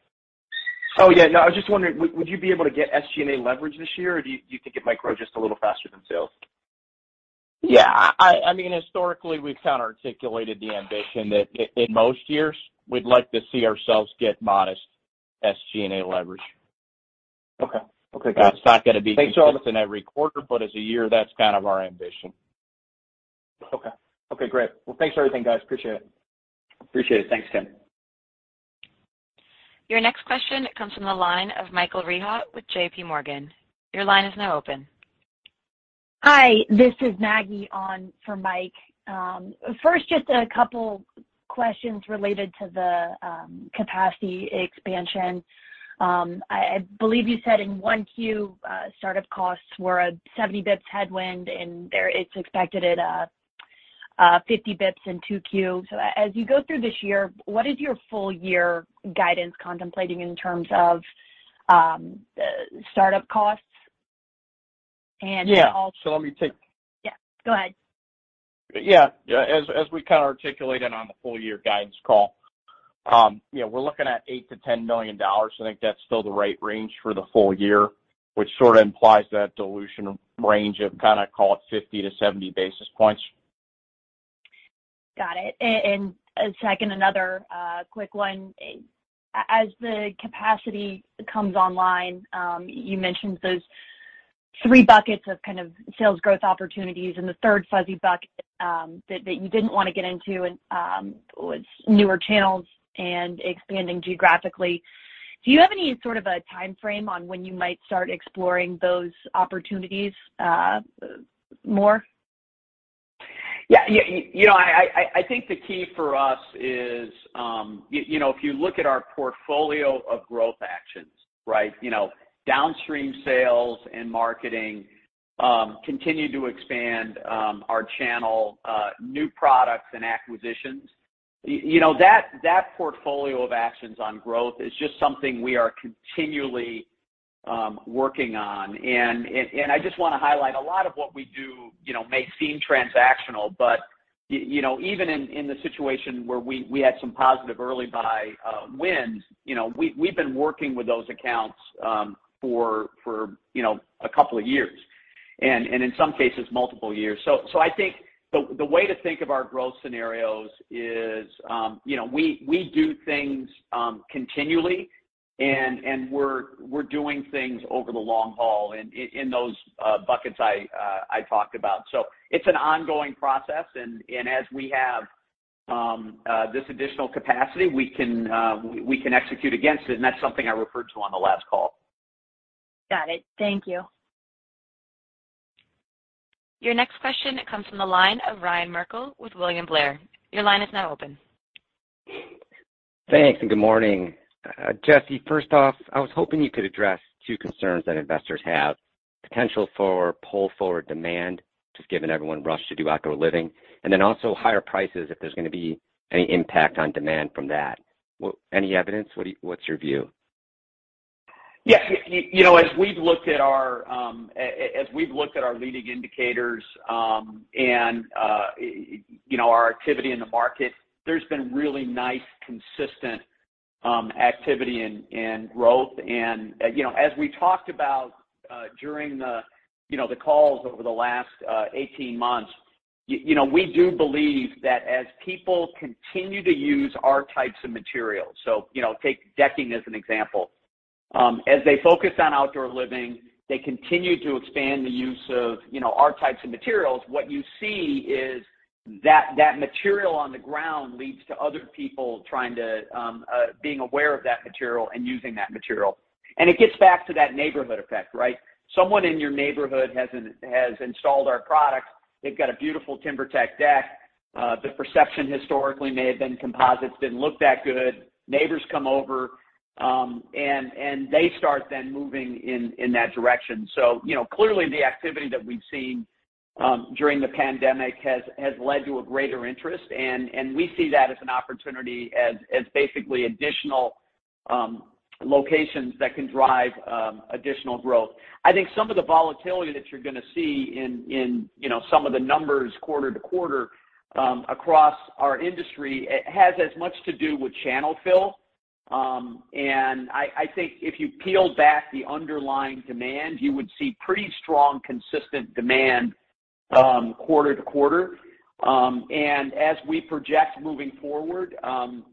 [SPEAKER 7] Oh, yeah. No, I was just wondering, would you be able to get SG&A leverage this year, or do you think it might grow just a little faster than sales?
[SPEAKER 3] Yeah. I mean, historically, we've kind of articulated the ambition that in most years we'd like to see ourselves get modest SG&A leverage.
[SPEAKER 7] Okay. Okay, got it.
[SPEAKER 4] It's not gonna be-
[SPEAKER 7] Thanks, all.
[SPEAKER 4] consistent every quarter, but as a year, that's kind of our ambition.
[SPEAKER 7] Okay, great. Well, thanks for everything, guys. Appreciate it.
[SPEAKER 3] appreciate it. Thanks, Tim.
[SPEAKER 1] Your next question comes from the line of Michael Rehaut with JPMorgan. Your line is now open.
[SPEAKER 8] Hi, this is Maggie on for Mike. First, just a couple questions related to the capacity expansion. I believe you said in 1Q, startup costs were a 70 basis points headwind, and they're expected at 50 basis points in 2Q. As you go through this year, what is your full year guidance contemplating in terms of startup costs? And also-
[SPEAKER 4] Yeah.
[SPEAKER 8] Yeah, go ahead.
[SPEAKER 4] Yeah, as we kind of articulated on the full year guidance call, you know, we're looking at $8 million-$10 million. I think that's still the right range for the full year, which sort of implies that dilution range of kinda, call it, 50-70 basis points.
[SPEAKER 8] Got it. A second, another quick one. As the capacity comes online, you mentioned those three buckets of kind of sales growth opportunities, and the third fuzzy bucket that you didn't wanna get into was newer channels and expanding geographically. Do you have any sort of a timeframe on when you might start exploring those opportunities more?
[SPEAKER 3] Yeah. You know, I think the key for us is, you know, if you look at our portfolio of growth actions, right? You know, downstream sales and marketing continue to expand our channel, new products and acquisitions. You know, that portfolio of actions on growth is just something we are continually working on. I just wanna highlight a lot of what we do, you know, may seem transactional, but you know, even in the situation where we had some positive early buy wins, you know, we've been working with those accounts for, you know, a couple of years and in some cases, multiple years. I think the way to think of our growth scenarios is, you know, we do things continually and we're doing things over the long haul in those buckets I talked about. It's an ongoing process. As we have this additional capacity, we can execute against it, and that's something I referred to on the last call.
[SPEAKER 8] Got it. Thank you.
[SPEAKER 1] Your next question comes from the line of Ryan Merkel with William Blair. Your line is now open.
[SPEAKER 9] Thanks, and good morning. Jesse, first off, I was hoping you could address two concerns that investors have. Potential for pull forward demand, just given everyone rushed to do outdoor living. Then also higher prices, if there's gonna be any impact on demand from that. Well, any evidence? What's your view?
[SPEAKER 3] Yeah. You know, as we've looked at our leading indicators, and you know, our activity in the market, there's been really nice, consistent activity and growth. You know, as we talked about during the calls over the last 18 months, you know, we do believe that as people continue to use our types of materials, so you know, take decking as an example. As they focus on outdoor living, they continue to expand the use of you know, our types of materials. What you see is that that material on the ground leads to other people being aware of that material and using that material. It gets back to that neighborhood effect, right? Someone in your neighborhood has installed our product. They've got a beautiful TimberTech deck. The perception historically may have been composites didn't look that good. Neighbors come over and they start then moving in that direction. You know, clearly the activity that we've seen during the pandemic has led to a greater interest. We see that as an opportunity as basically additional locations that can drive additional growth. I think some of the volatility that you're gonna see in you know some of the numbers quarter to quarter across our industry, it has as much to do with channel fill. I think if you peel back the underlying demand, you would see pretty strong, consistent demand quarter to quarter. As we project moving forward,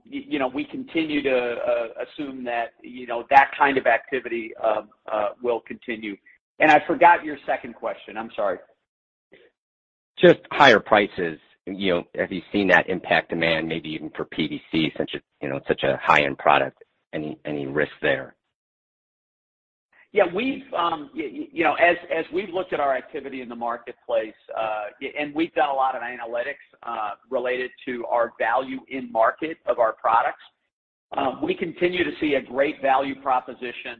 [SPEAKER 3] you know, we continue to assume that, you know, that kind of activity will continue. I forgot your second question. I'm sorry.
[SPEAKER 9] Just higher prices. You know, have you seen that impact demand maybe even for PVC, such a, you know, such a high-end product? Any risk there?
[SPEAKER 3] Yeah. We've you know, as we've looked at our activity in the marketplace, and we've done a lot of analytics related to our value in market of our products. We continue to see a great value proposition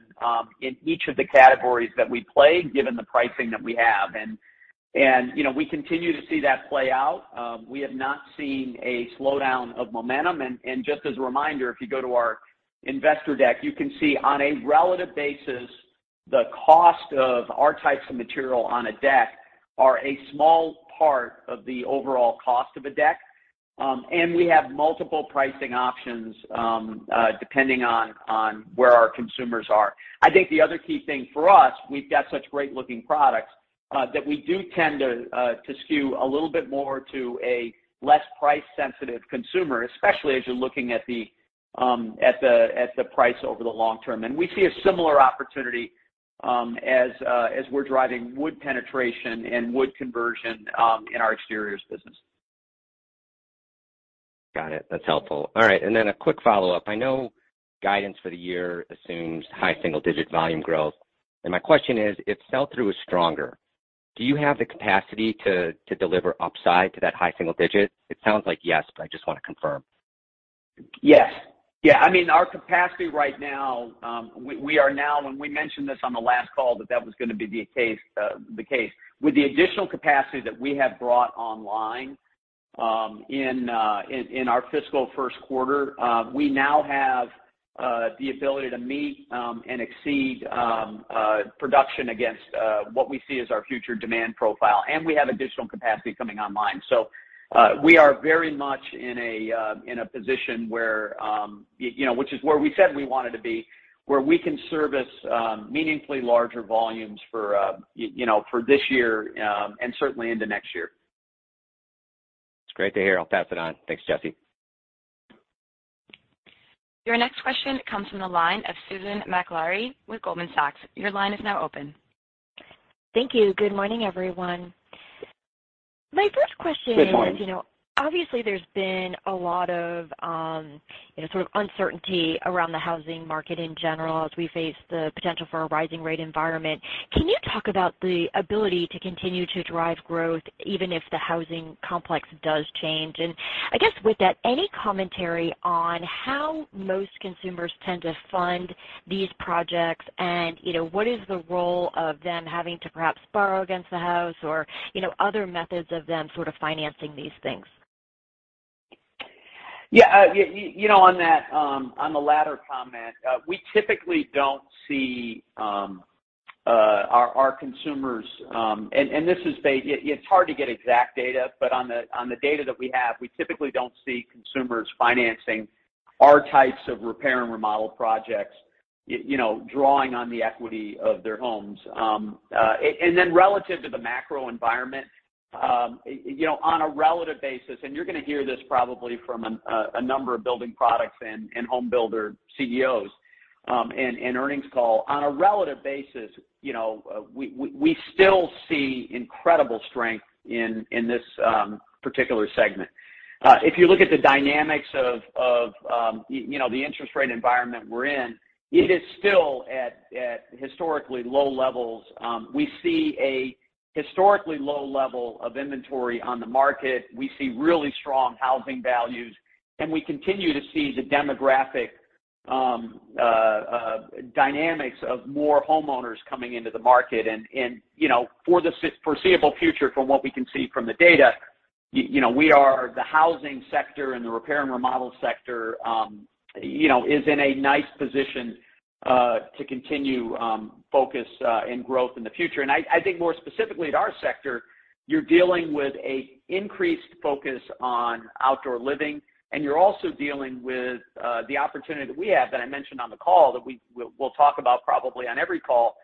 [SPEAKER 3] in each of the categories that we play, given the pricing that we have. You know, we continue to see that play out. We have not seen a slowdown of momentum. Just as a reminder, if you go to our investor deck, you can see on a relative basis, the cost of our types of material on a deck are a small part of the overall cost of a deck. We have multiple pricing options depending on where our consumers are. I think the other key thing for us, we've got such great-looking products, that we do tend to skew a little bit more to a less price sensitive consumer, especially as you're looking at the price over the long term. We see a similar opportunity, as we're driving wood penetration and wood conversion, in our exteriors business.
[SPEAKER 9] Got it. That's helpful. All right. Then a quick follow-up. I know guidance for the year assumes high single-digit volume growth. My question is, if sell-through is stronger, do you have the capacity to deliver upside to that high single-digit? It sounds like yes, but I just wanna confirm.
[SPEAKER 3] Yes. Yeah. I mean, our capacity right now, we are now, and we mentioned this on the last call that that was gonna be the case, the case. With the additional capacity that we have brought online, in our fiscal first quarter, we now have the ability to meet and exceed production against what we see as our future demand profile, and we have additional capacity coming online. We are very much in a position where, you know, which is where we said we wanted to be, where we can service meaningfully larger volumes for, you know, for this year, and certainly into next year.
[SPEAKER 9] It's great to hear. I'll pass it on. Thanks, Jesse.
[SPEAKER 1] Your next question comes from the line of Susan Maklari with Goldman Sachs. Your line is now open.
[SPEAKER 10] Thank you. Good morning, everyone. My first question is.
[SPEAKER 3] Good morning.
[SPEAKER 10] You know, obviously, there's been a lot of, you know, sort of uncertainty around the housing market in general as we face the potential for a rising rate environment. Can you talk about the ability to continue to drive growth even if the housing complex does change? I guess with that, any commentary on how most consumers tend to fund these projects and, you know, what is the role of them having to perhaps borrow against the house or, you know, other methods of them sort of financing these things?
[SPEAKER 3] Yeah. You know, on that, on the latter comment, we typically don't see our consumers, and this is. It's hard to get exact data. On the data that we have, we typically don't see consumers financing our types of repair and remodel projects you know, drawing on the equity of their homes. And then relative to the macro environment, you know, on a relative basis, you're gonna hear this probably from a number of building products and home builder CEOs in earnings call. On a relative basis, you know, we still see incredible strength in this particular segment. If you look at the dynamics of you know, the interest rate environment we're in, it is still at historically low levels. We see a historically low level of inventory on the market. We see really strong housing values, and we continue to see the demographic dynamics of more homeowners coming into the market. You know, for the foreseeable future, from what we can see from the data, you know, we're in the housing sector and the repair and remodel sector is in a nice position to continue focused on growth in the future. I think more specifically to our sector, you're dealing with an increased focus on outdoor living, and you're also dealing with the opportunity that we have that I mentioned on the call that we'll talk about probably on every call,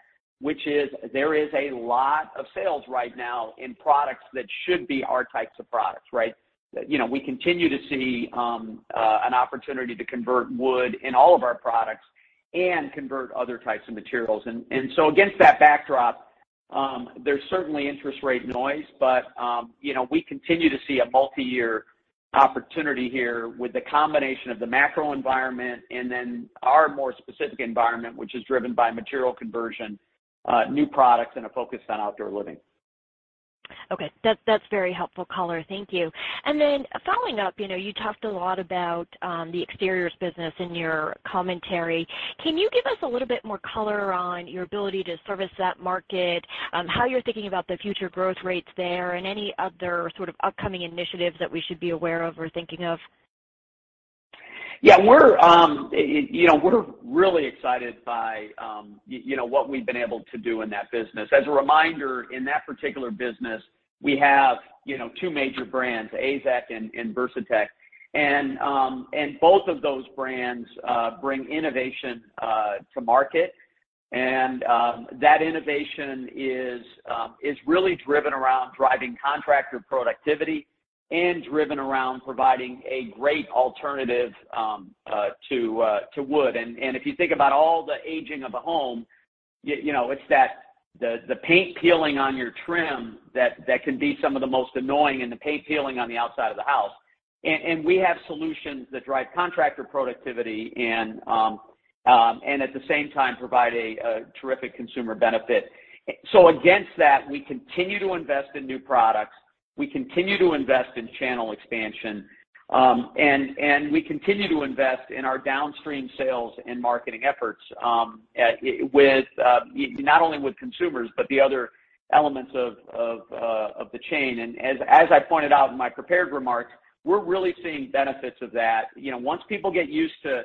[SPEAKER 3] which is there are a lot of sales right now in products that should be our types of products, right? You know, we continue to see an opportunity to convert wood in all of our products and convert other types of materials. Against that backdrop, there's certainly interest rate noise, but you know, we continue to see a multiyear opportunity here with the combination of the macro environment and then our more specific environment, which is driven by material conversion, new products, and a focus on outdoor living.
[SPEAKER 10] Okay. That's very helpful color. Thank you. Following up, you know, you talked a lot about the exteriors business in your commentary. Can you give us a little bit more color on your ability to service that market, how you're thinking about the future growth rates there, and any other sort of upcoming initiatives that we should be aware of or thinking of?
[SPEAKER 3] Yeah. We're really excited by you know what we've been able to do in that business. As a reminder, in that particular business, we have you know two major brands, AZEK and Versatex. Both of those brands bring innovation to market. That innovation is really driven around driving contractor productivity and driven around providing a great alternative to wood. If you think about all the aging of a home, you know it's the paint peeling on your trim that can be some of the most annoying and the paint peeling on the outside of the house. We have solutions that drive contractor productivity and at the same time provide a terrific consumer benefit. Against that, we continue to invest in new products. We continue to invest in channel expansion. We continue to invest in our downstream sales and marketing efforts with not only consumers, but the other elements of the chain. As I pointed out in my prepared remarks, we're really seeing benefits of that. You know, once people get used to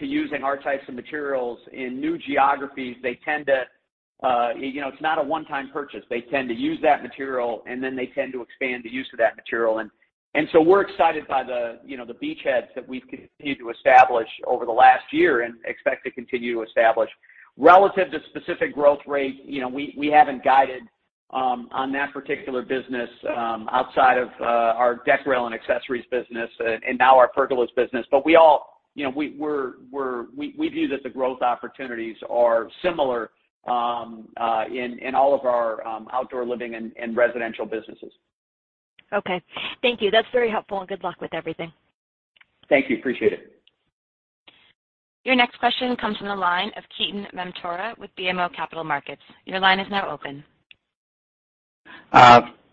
[SPEAKER 3] using our types of materials in new geographies, they tend to you know, it's not a one-time purchase. They tend to use that material, and then they tend to expand the use of that material. We're excited by the you know, the beachheads that we've continued to establish over the last year and expect to continue to establish. Relative to specific growth rate, you know, we haven't guided on that particular business outside of our deck, rail, and accessories business and now our pergolas business. We all, you know, we view that the growth opportunities are similar in all of our outdoor living and residential businesses.
[SPEAKER 10] Okay. Thank you. That's very helpful, and good luck with everything.
[SPEAKER 3] Thank you. Appreciate it.
[SPEAKER 1] Your next question comes from the line of Ketan Mamtora with BMO Capital Markets. Your line is now open.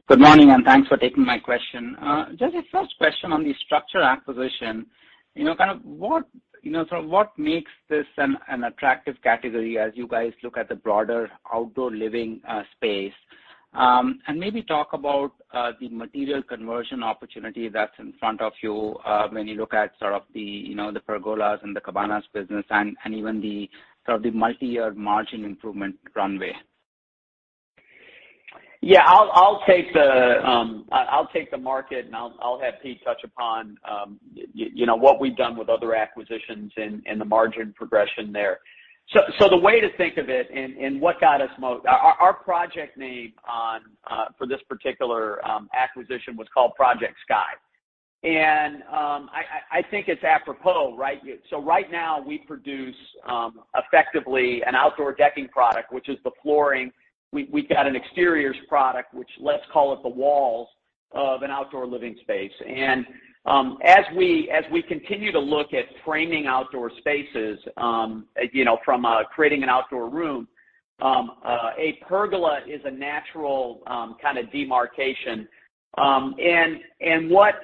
[SPEAKER 11] Good morning, and thanks for taking my question. Just a first question on the StruXure acquisition. You know, kind of what, you know, sort of what makes this an attractive category as you guys look at the broader outdoor living space? Maybe talk about the material conversion opportunity that's in front of you, when you look at sort of the, you know, the pergolas and the cabanas business and even the sort of the multiyear margin improvement runway.
[SPEAKER 3] Yeah. I'll take the market, and I'll have Pete touch upon you know, what we've done with other acquisitions and the margin progression there. The way to think of it and what got us most Our project name for this particular acquisition was called Project Sky. I think it's apropos, right? Right now, we produce effectively an outdoor decking product, which is the flooring. We've got an exteriors product, which let's call it the walls of an outdoor living space. As we continue to look at framing outdoor spaces you know, from creating an outdoor room a pergola is a natural kind of demarcation. What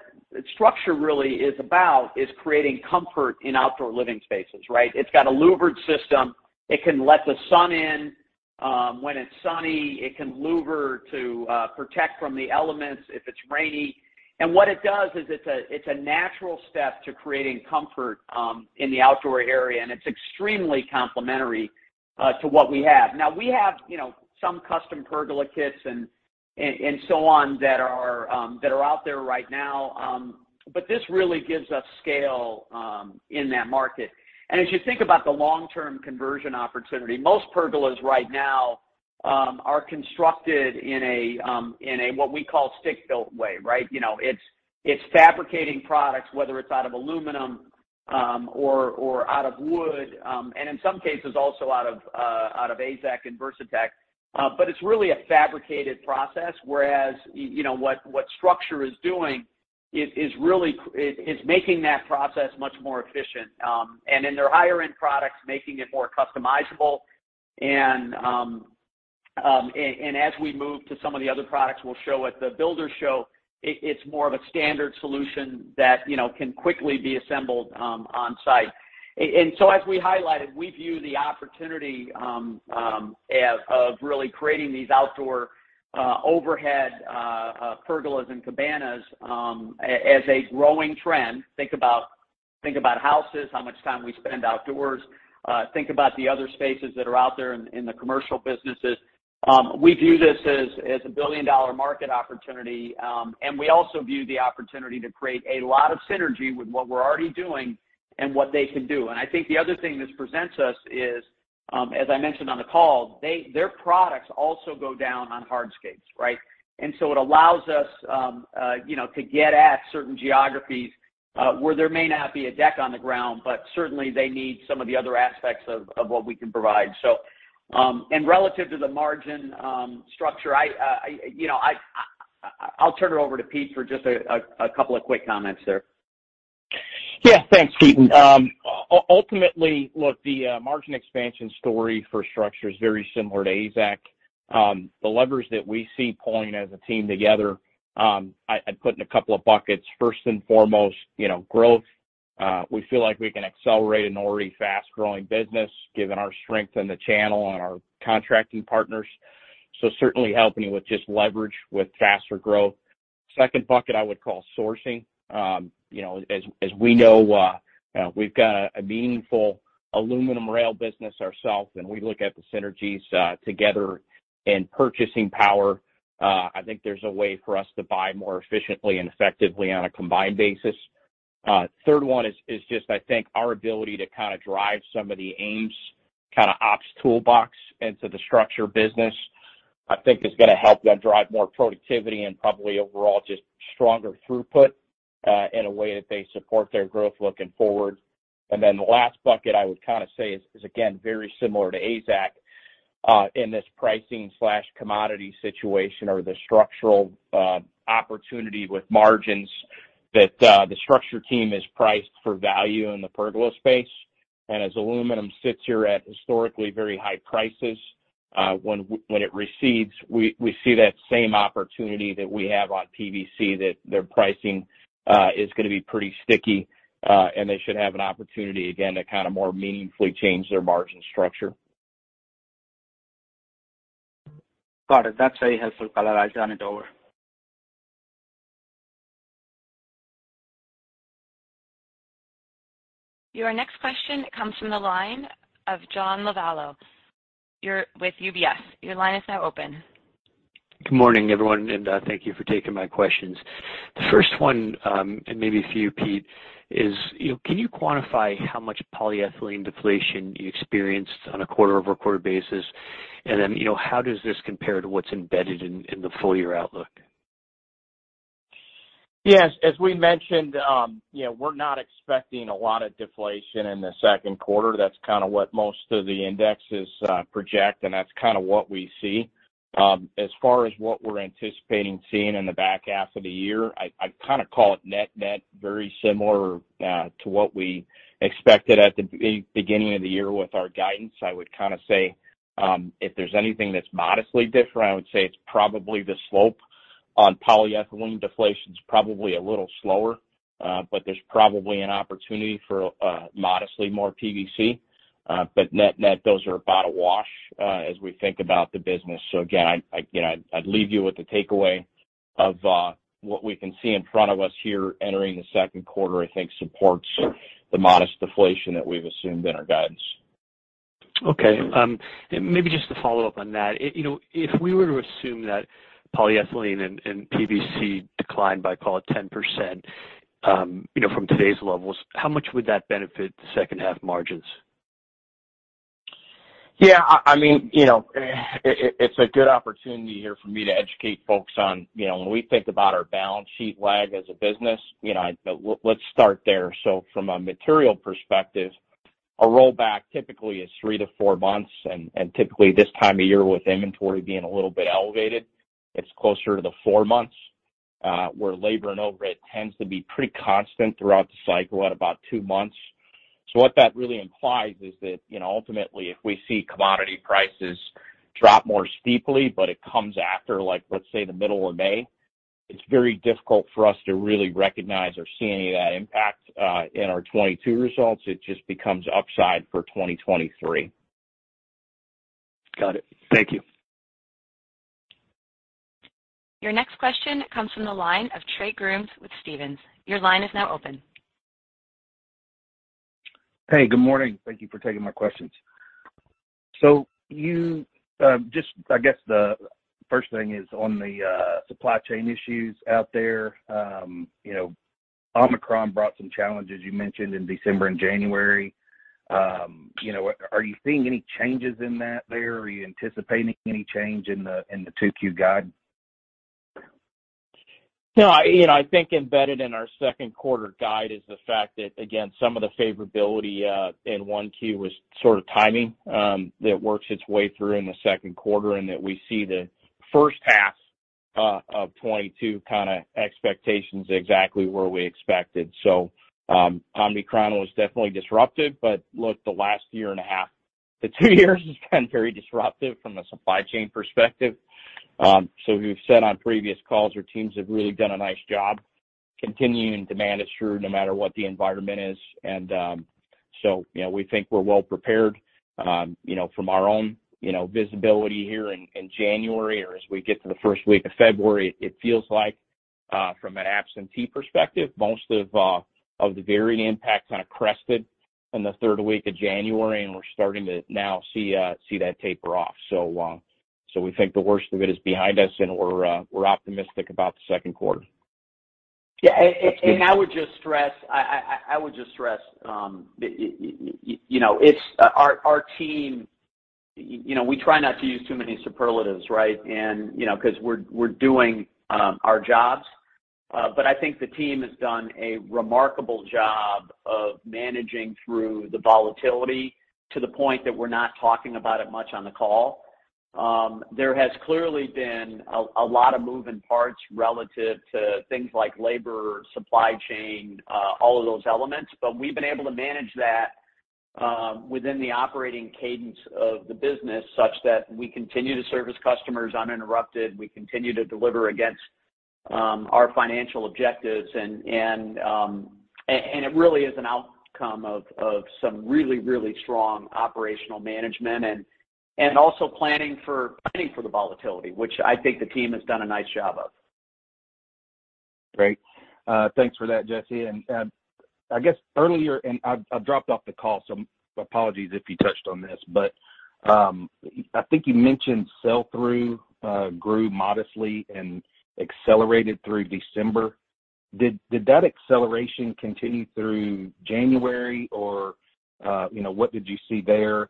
[SPEAKER 3] StruXure really is about is creating comfort in outdoor living spaces, right? It's got a louvered system. It can let the sun in when it's sunny. It can louver to protect from the elements if it's rainy. What it does is it's a natural step to creating comfort in the outdoor area, and it's extremely complementary to what we have. Now, we have, you know, some custom pergola kits and so on that are out there right now. This really gives us scale in that market. As you think about the long-term conversion opportunity, most pergolas right now are constructed in a what we call stick-built way, right? You know, it's fabricating products, whether it's out of aluminum or out of wood, and in some cases also out of AZEK and Versatex. It's really a fabricated process, whereas you know, what StruXure is doing is making that process much more efficient. In their higher end products, making it more customizable. As we move to some of the other products we'll show at the builder show, it's more of a standard solution that you know can quickly be assembled on-site. As we highlighted, we view the opportunity of really creating these outdoor overhead pergolas and cabanas as a growing trend. Think about houses, how much time we spend outdoors. Think about the other spaces that are out there in the commercial businesses. We view this as a billion-dollar market opportunity, and we also view the opportunity to create a lot of synergy with what we're already doing and what they can do. I think the other thing this presents us is, as I mentioned on the call, their products also go down on hardscapes, right? It allows us, you know, to get at certain geographies where there may not be a deck on the ground, but certainly they need some of the other aspects of what we can provide. Relative to the margin structure, I, you know, I'll turn it over to Pete for just a couple of quick comments there.
[SPEAKER 4] Yeah. Thanks, Ketan. Ultimately, look, the margin expansion story for StruXure is very similar to AZEK. The levers that we see pulling as a team together, I'd put in a couple of buckets. First and foremost, you know, growth. We feel like we can accelerate an already fast-growing business, given our strength in the channel and our contracting partners. Certainly helping with just leverage with faster growth. Second bucket I would call sourcing. You know, as we know, we've got a meaningful aluminum rail business ourselves, and we look at the synergies together in purchasing power. I think there's a way for us to buy more efficiently and effectively on a combined basis. Third one is just, I think, our ability to kind of drive some of the AMES kind of ops toolbox into the StruXure business. I think is gonna help them drive more productivity and probably overall just stronger throughput, in a way that they support their growth looking forward. The last bucket I would kind of say is again, very similar to AZEK, in this pricing/commodity situation or the structural opportunity with margins that the StruXure team has priced for value in the pergola space. As aluminum sits here at historically very high prices, when it recedes, we see that same opportunity that we have on PVC that their pricing is gonna be pretty sticky, and they should have an opportunity again to kind of more meaningfully change their margin structure.
[SPEAKER 11] Got it. That's very helpful color. I'll turn it over.
[SPEAKER 1] Your next question comes from the line of John Lovallo. You're with UBS. Your line is now open.
[SPEAKER 12] Good morning, everyone, and thank you for taking my questions. The first one, and maybe for you, Pete, is, you know, can you quantify how much polyethylene deflation you experienced on a quarter-over-quarter basis? You know, how does this compare to what's embedded in the full-year outlook?
[SPEAKER 4] Yes. As we mentioned, you know, we're not expecting a lot of deflation in the second quarter. That's kind of what most of the indexes project, and that's kind of what we see. As far as what we're anticipating seeing in the back half of the year, I'd kind of call it net/net, very similar to what we expected at the beginning of the year with our guidance. I would kind of say, if there's anything that's modestly different, I would say it's probably the slope on polyethylene deflation's probably a little slower, but there's probably an opportunity for modestly more PVC. But net/net, those are about a wash as we think about the business. Again, you know, I'd leave you with the takeaway of what we can see in front of us here entering the second quarter, I think supports the modest deflation that we've assumed in our guidance.
[SPEAKER 12] Okay. Maybe just to follow up on that. You know, if we were to assume that polyethylene and PVC declined by, call it, 10%. You know, from today's levels, how much would that benefit second half margins?
[SPEAKER 4] Yeah. I mean, you know, it's a good opportunity here for me to educate folks on, you know, when we think about our balance sheet lag as a business, you know, let's start there. From a material perspective, a rollback typically is 3-4 months, and typically this time of year with inventory being a little bit elevated, it's closer to the four months. Where labor and overhead tends to be pretty constant throughout the cycle at about two months. What that really implies is that, you know, ultimately, if we see commodity prices drop more steeply, but it comes after like, let's say, the middle of May, it's very difficult for us to really recognize or see any of that impact in our 2022 results. It just becomes upside for 2023.
[SPEAKER 12] Got it. Thank you.
[SPEAKER 1] Your next question comes from the line of Trey Grooms with Stephens. Your line is now open.
[SPEAKER 13] Hey, good morning. Thank you for taking my questions. Just, I guess, the first thing is on the supply chain issues out there. You know, Omicron brought some challenges you mentioned in December and January. You know, are you seeing any changes in that there? Are you anticipating any change in the 2Q guide?
[SPEAKER 4] No, you know, I think embedded in our second quarter guide is the fact that, again, some of the favorability in Q1 was sort of timing that works its way through in the second quarter, and that we see the first half of 2022 kinda expectations exactly where we expected. Omicron was definitely disruptive, but look, the last year and a half to two years has been very disruptive from a supply chain perspective. We've said on previous calls, our teams have really done a nice job continuing to manage through no matter what the environment is. You know, we think we're well prepared, you know, from our own, you know, visibility here in January or as we get to the first week of February. It feels like from an absenteeism perspective, most of the varying impacts kinda crested in the third week of January, and we're starting to now see that taper off. We think the worst of it is behind us and we're optimistic about the second quarter.
[SPEAKER 3] I would just stress you know it's our team you know we try not to use too many superlatives right? You know 'cause we're doing our jobs. I think the team has done a remarkable job of managing through the volatility to the point that we're not talking about it much on the call. There has clearly been a lot of moving parts relative to things like labor supply chain all of those elements. We've been able to manage that within the operating cadence of the business such that we continue to service customers uninterrupted. We continue to deliver against our financial objectives. It really is an outcome of some really strong operational management and also planning for the volatility, which I think the team has done a nice job of.
[SPEAKER 13] Great. Thanks for that, Jesse. I guess earlier and I've dropped off the call, so apologies if you touched on this. I think you mentioned sell-through grew modestly and accelerated through December. Did that acceleration continue through January or, you know, what did you see there?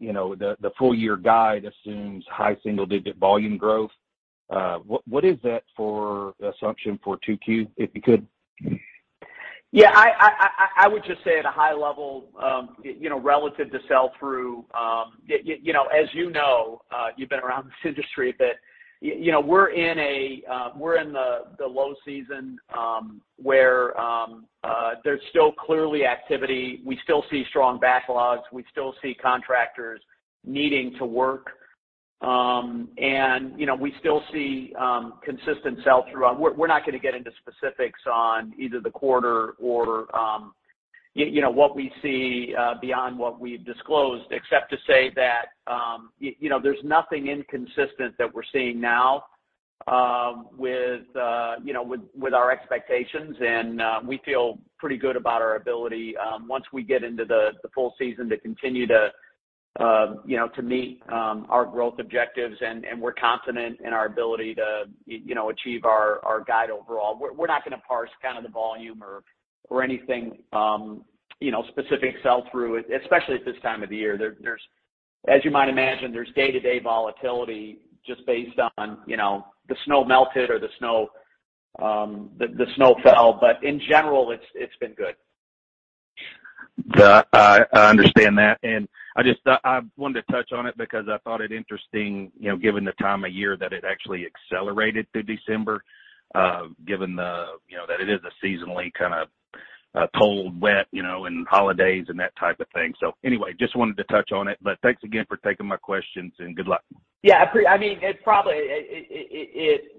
[SPEAKER 13] You know, the full year guide assumes high single digit volume growth. What is the assumption for 2Q, if you could?
[SPEAKER 3] Yeah. I would just say at a high level, you know, relative to sell-through, you know, as you know, you've been around this industry, but you know, we're in the low season, where there's still clearly activity. We still see strong backlogs. We still see contractors needing to work. You know, we still see consistent sell-through. We're not gonna get into specifics on either the quarter or you know, what we see beyond what we've disclosed, except to say that you know, there's nothing inconsistent that we're seeing now with you know, with our expectations. We feel pretty good about our ability, once we get into the full season to continue to, you know, to meet our growth objectives. We're confident in our ability to, you know, achieve our guide overall. We're not gonna parse kind of the volume or anything, you know, specific sell-through, especially at this time of the year. As you might imagine, there's day-to-day volatility just based on, you know, the snow melted or the snow fell. In general, it's been good.
[SPEAKER 13] Yeah. I understand that, and I just wanted to touch on it because I thought it interesting, you know, given the time of year that it actually accelerated through December, given the, you know, that it is a seasonally kind of cold, wet, you know, and holidays and that type of thing. Anyway, just wanted to touch on it, but thanks again for taking my questions and good luck.
[SPEAKER 3] Yeah. I mean, it probably,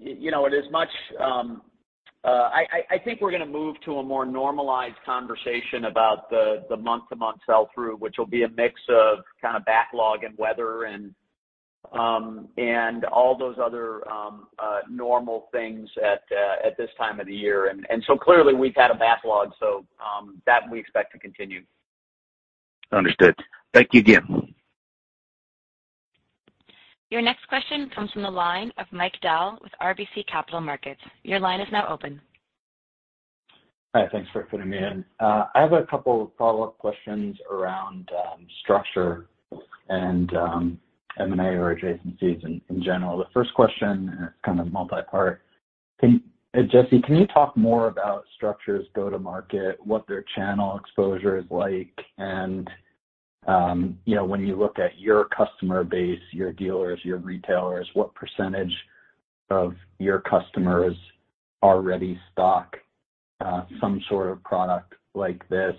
[SPEAKER 3] you know, it is much. I think we're gonna move to a more normalized conversation about the month-to-month sell-through, which will be a mix of kind of backlog and weather and all those other normal things at this time of the year. Clearly we've had a backlog, so that we expect to continue.
[SPEAKER 13] Understood. Thank you again.
[SPEAKER 1] Your next question comes from the line of Mike Dahl with RBC Capital Markets. Your line is now open.
[SPEAKER 14] Hi. Thanks for fitting me in. I have a couple follow-up questions around structure and M&A or adjacencies in general. The first question, it's kind of multi-part. Jesse, can you talk more about StruXure's go-to-market, what their channel exposure is like, and you know, when you look at your customer base, your dealers, your retailers, what percentage of your customers already stock some sort of product like this?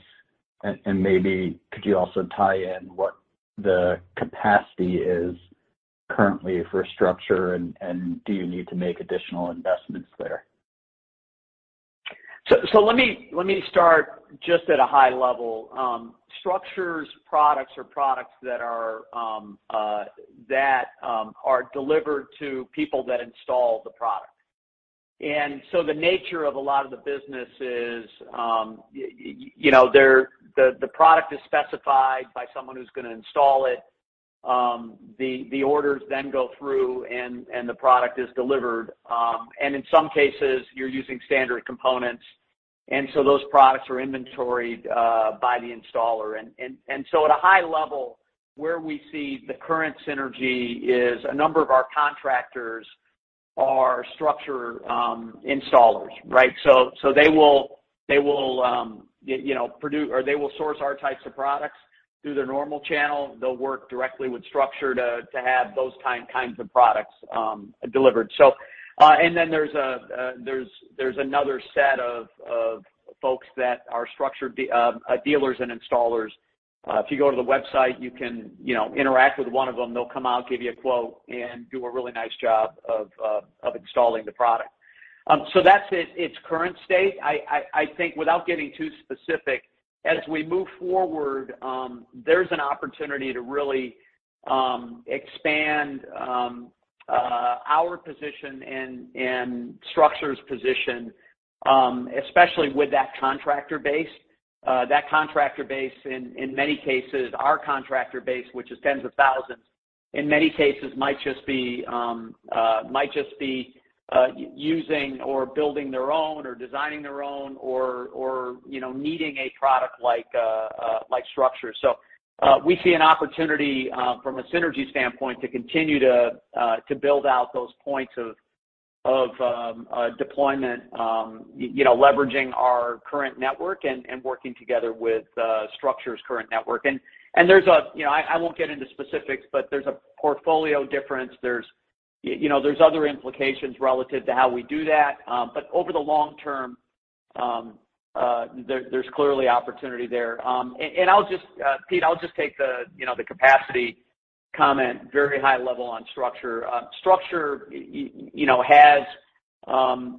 [SPEAKER 14] Maybe could you also tie in what the capacity is currently for StruXure and do you need to make additional investments there?
[SPEAKER 3] Let me start just at a high level. StruXure's products are products that are delivered to people that install the product. The nature of a lot of the business is, you know, the product is specified by someone who's gonna install it. The orders then go through and the product is delivered. In some cases, you're using standard components. Those products are inventoried by the installer. At a high level, where we see the current synergy is a number of our contractors are StruXure installers, right? They will source our types of products through their normal channel. They'll work directly with StruXure to have those kinds of products delivered. Then there's another set of folks that are StruXure dealers and installers. If you go to the website, you can interact with one of them. They'll come out, give you a quote, and do a really nice job of installing the product. That's its current state. I think, without getting too specific, as we move forward, there's an opportunity to really expand our position and StruXure's position, especially with that contractor base. That contractor base, in many cases, our contractor base, which is tens of thousands, might just be using or building their own or designing their own or, you know, needing a product like StruXure. We see an opportunity from a synergy standpoint to continue to build out those points of deployment, you know, leveraging our current network and working together with StruXure's current network. You know, I won't get into specifics, but there's a portfolio difference. You know, there's other implications relative to how we do that. But over the long term, there's clearly opportunity there. I'll just. Pete, I'll just take the you know the capacity comment very high level on StruXure. StruXure you know has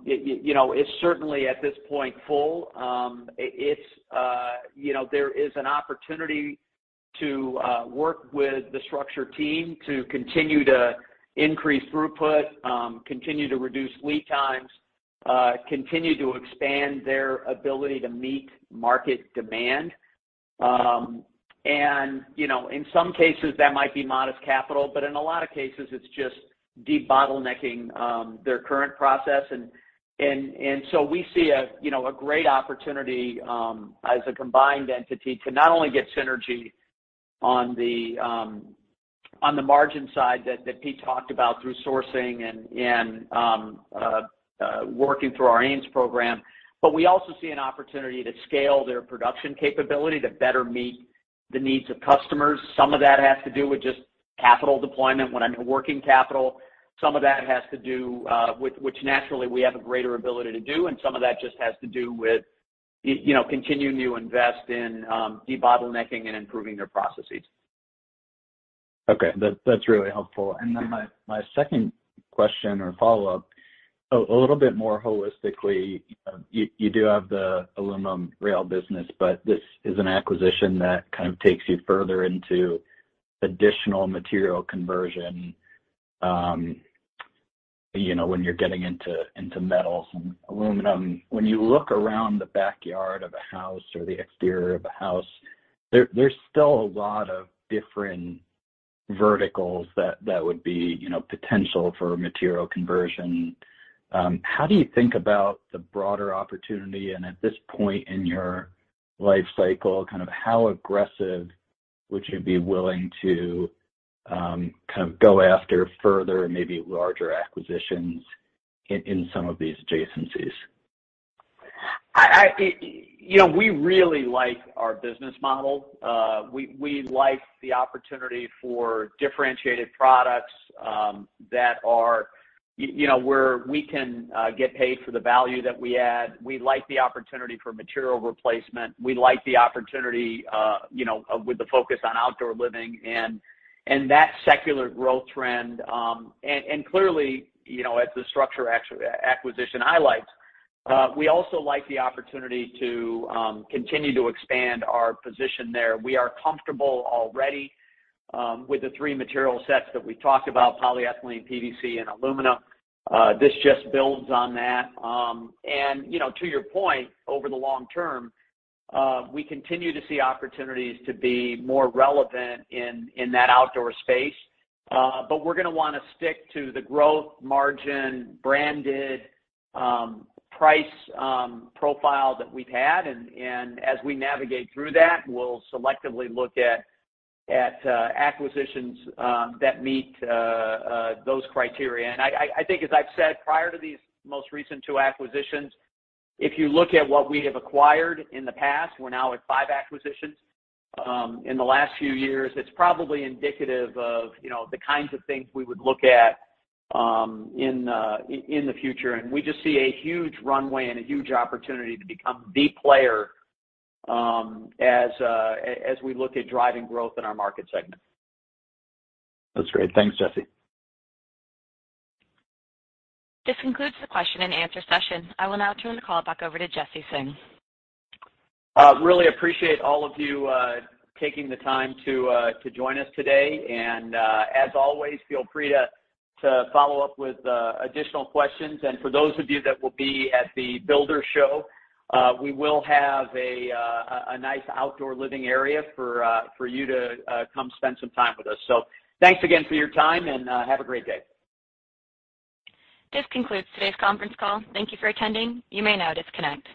[SPEAKER 3] you know is certainly at this point full. It's you know there is an opportunity to work with the StruXure team to continue to increase throughput continue to reduce lead times continue to expand their ability to meet market demand. You know in some cases that might be modest capital but in a lot of cases it's just debottlenecking their current process. We see a you know great opportunity as a combined entity to not only get synergy on the margin side that Pete talked about through sourcing and working through our AIMS program, but we also see an opportunity to scale their production capability to better meet the needs of customers. Some of that has to do with just capital deployment when it comes to working capital. Some of that has to do with which naturally we have a greater ability to do, and some of that just has to do with you know continuing to invest in debottlenecking and improving their processes.
[SPEAKER 14] Okay. That's really helpful. Then my second question or follow-up, a little bit more holistically, you do have the aluminum rail business, but this is an acquisition that kind of takes you further into additional material conversion, you know, when you're getting into metals and aluminum. When you look around the backyard of a house or the exterior of a house, there's still a lot of different verticals that would be potential for material conversion. How do you think about the broader opportunity? At this point in your life cycle, kind of how aggressive would you be willing to kind of go after further, maybe larger acquisitions in some of these adjacencies?
[SPEAKER 3] You know, we really like our business model. We like the opportunity for differentiated products that are you know where we can get paid for the value that we add. We like the opportunity for material replacement. We like the opportunity you know with the focus on outdoor living and that secular growth trend. Clearly, you know, as the StruXure acquisition highlights, we also like the opportunity to continue to expand our position there. We are comfortable already with the three material sets that we talked about, polyethylene, PVC, and aluminum. This just builds on that. You know, to your point, over the long term, we continue to see opportunities to be more relevant in that outdoor space. We're gonna wanna stick to the growth, margin, brand and price profile that we've had. As we navigate through that, we'll selectively look at acquisitions that meet those criteria. I think as I've said prior to these most recent two acquisitions, if you look at what we have acquired in the past, we're now at five acquisitions in the last few years. It's probably indicative of you know the kinds of things we would look at in the future. We just see a huge runway and a huge opportunity to become the player as we look at driving growth in our market segment.
[SPEAKER 14] That's great. Thanks, Jesse.
[SPEAKER 1] This concludes the question-and-answer session. I will now turn the call back over to Jesse Singh.
[SPEAKER 3] I really appreciate all of you taking the time to join us today. As always, feel free to follow up with additional questions. For those of you that will be at the Builder Show, we will have a nice outdoor living area for you to come spend some time with us. Thanks again for your time, and have a great day.
[SPEAKER 1] This concludes today's conference call. Thank you for attending. You may now disconnect.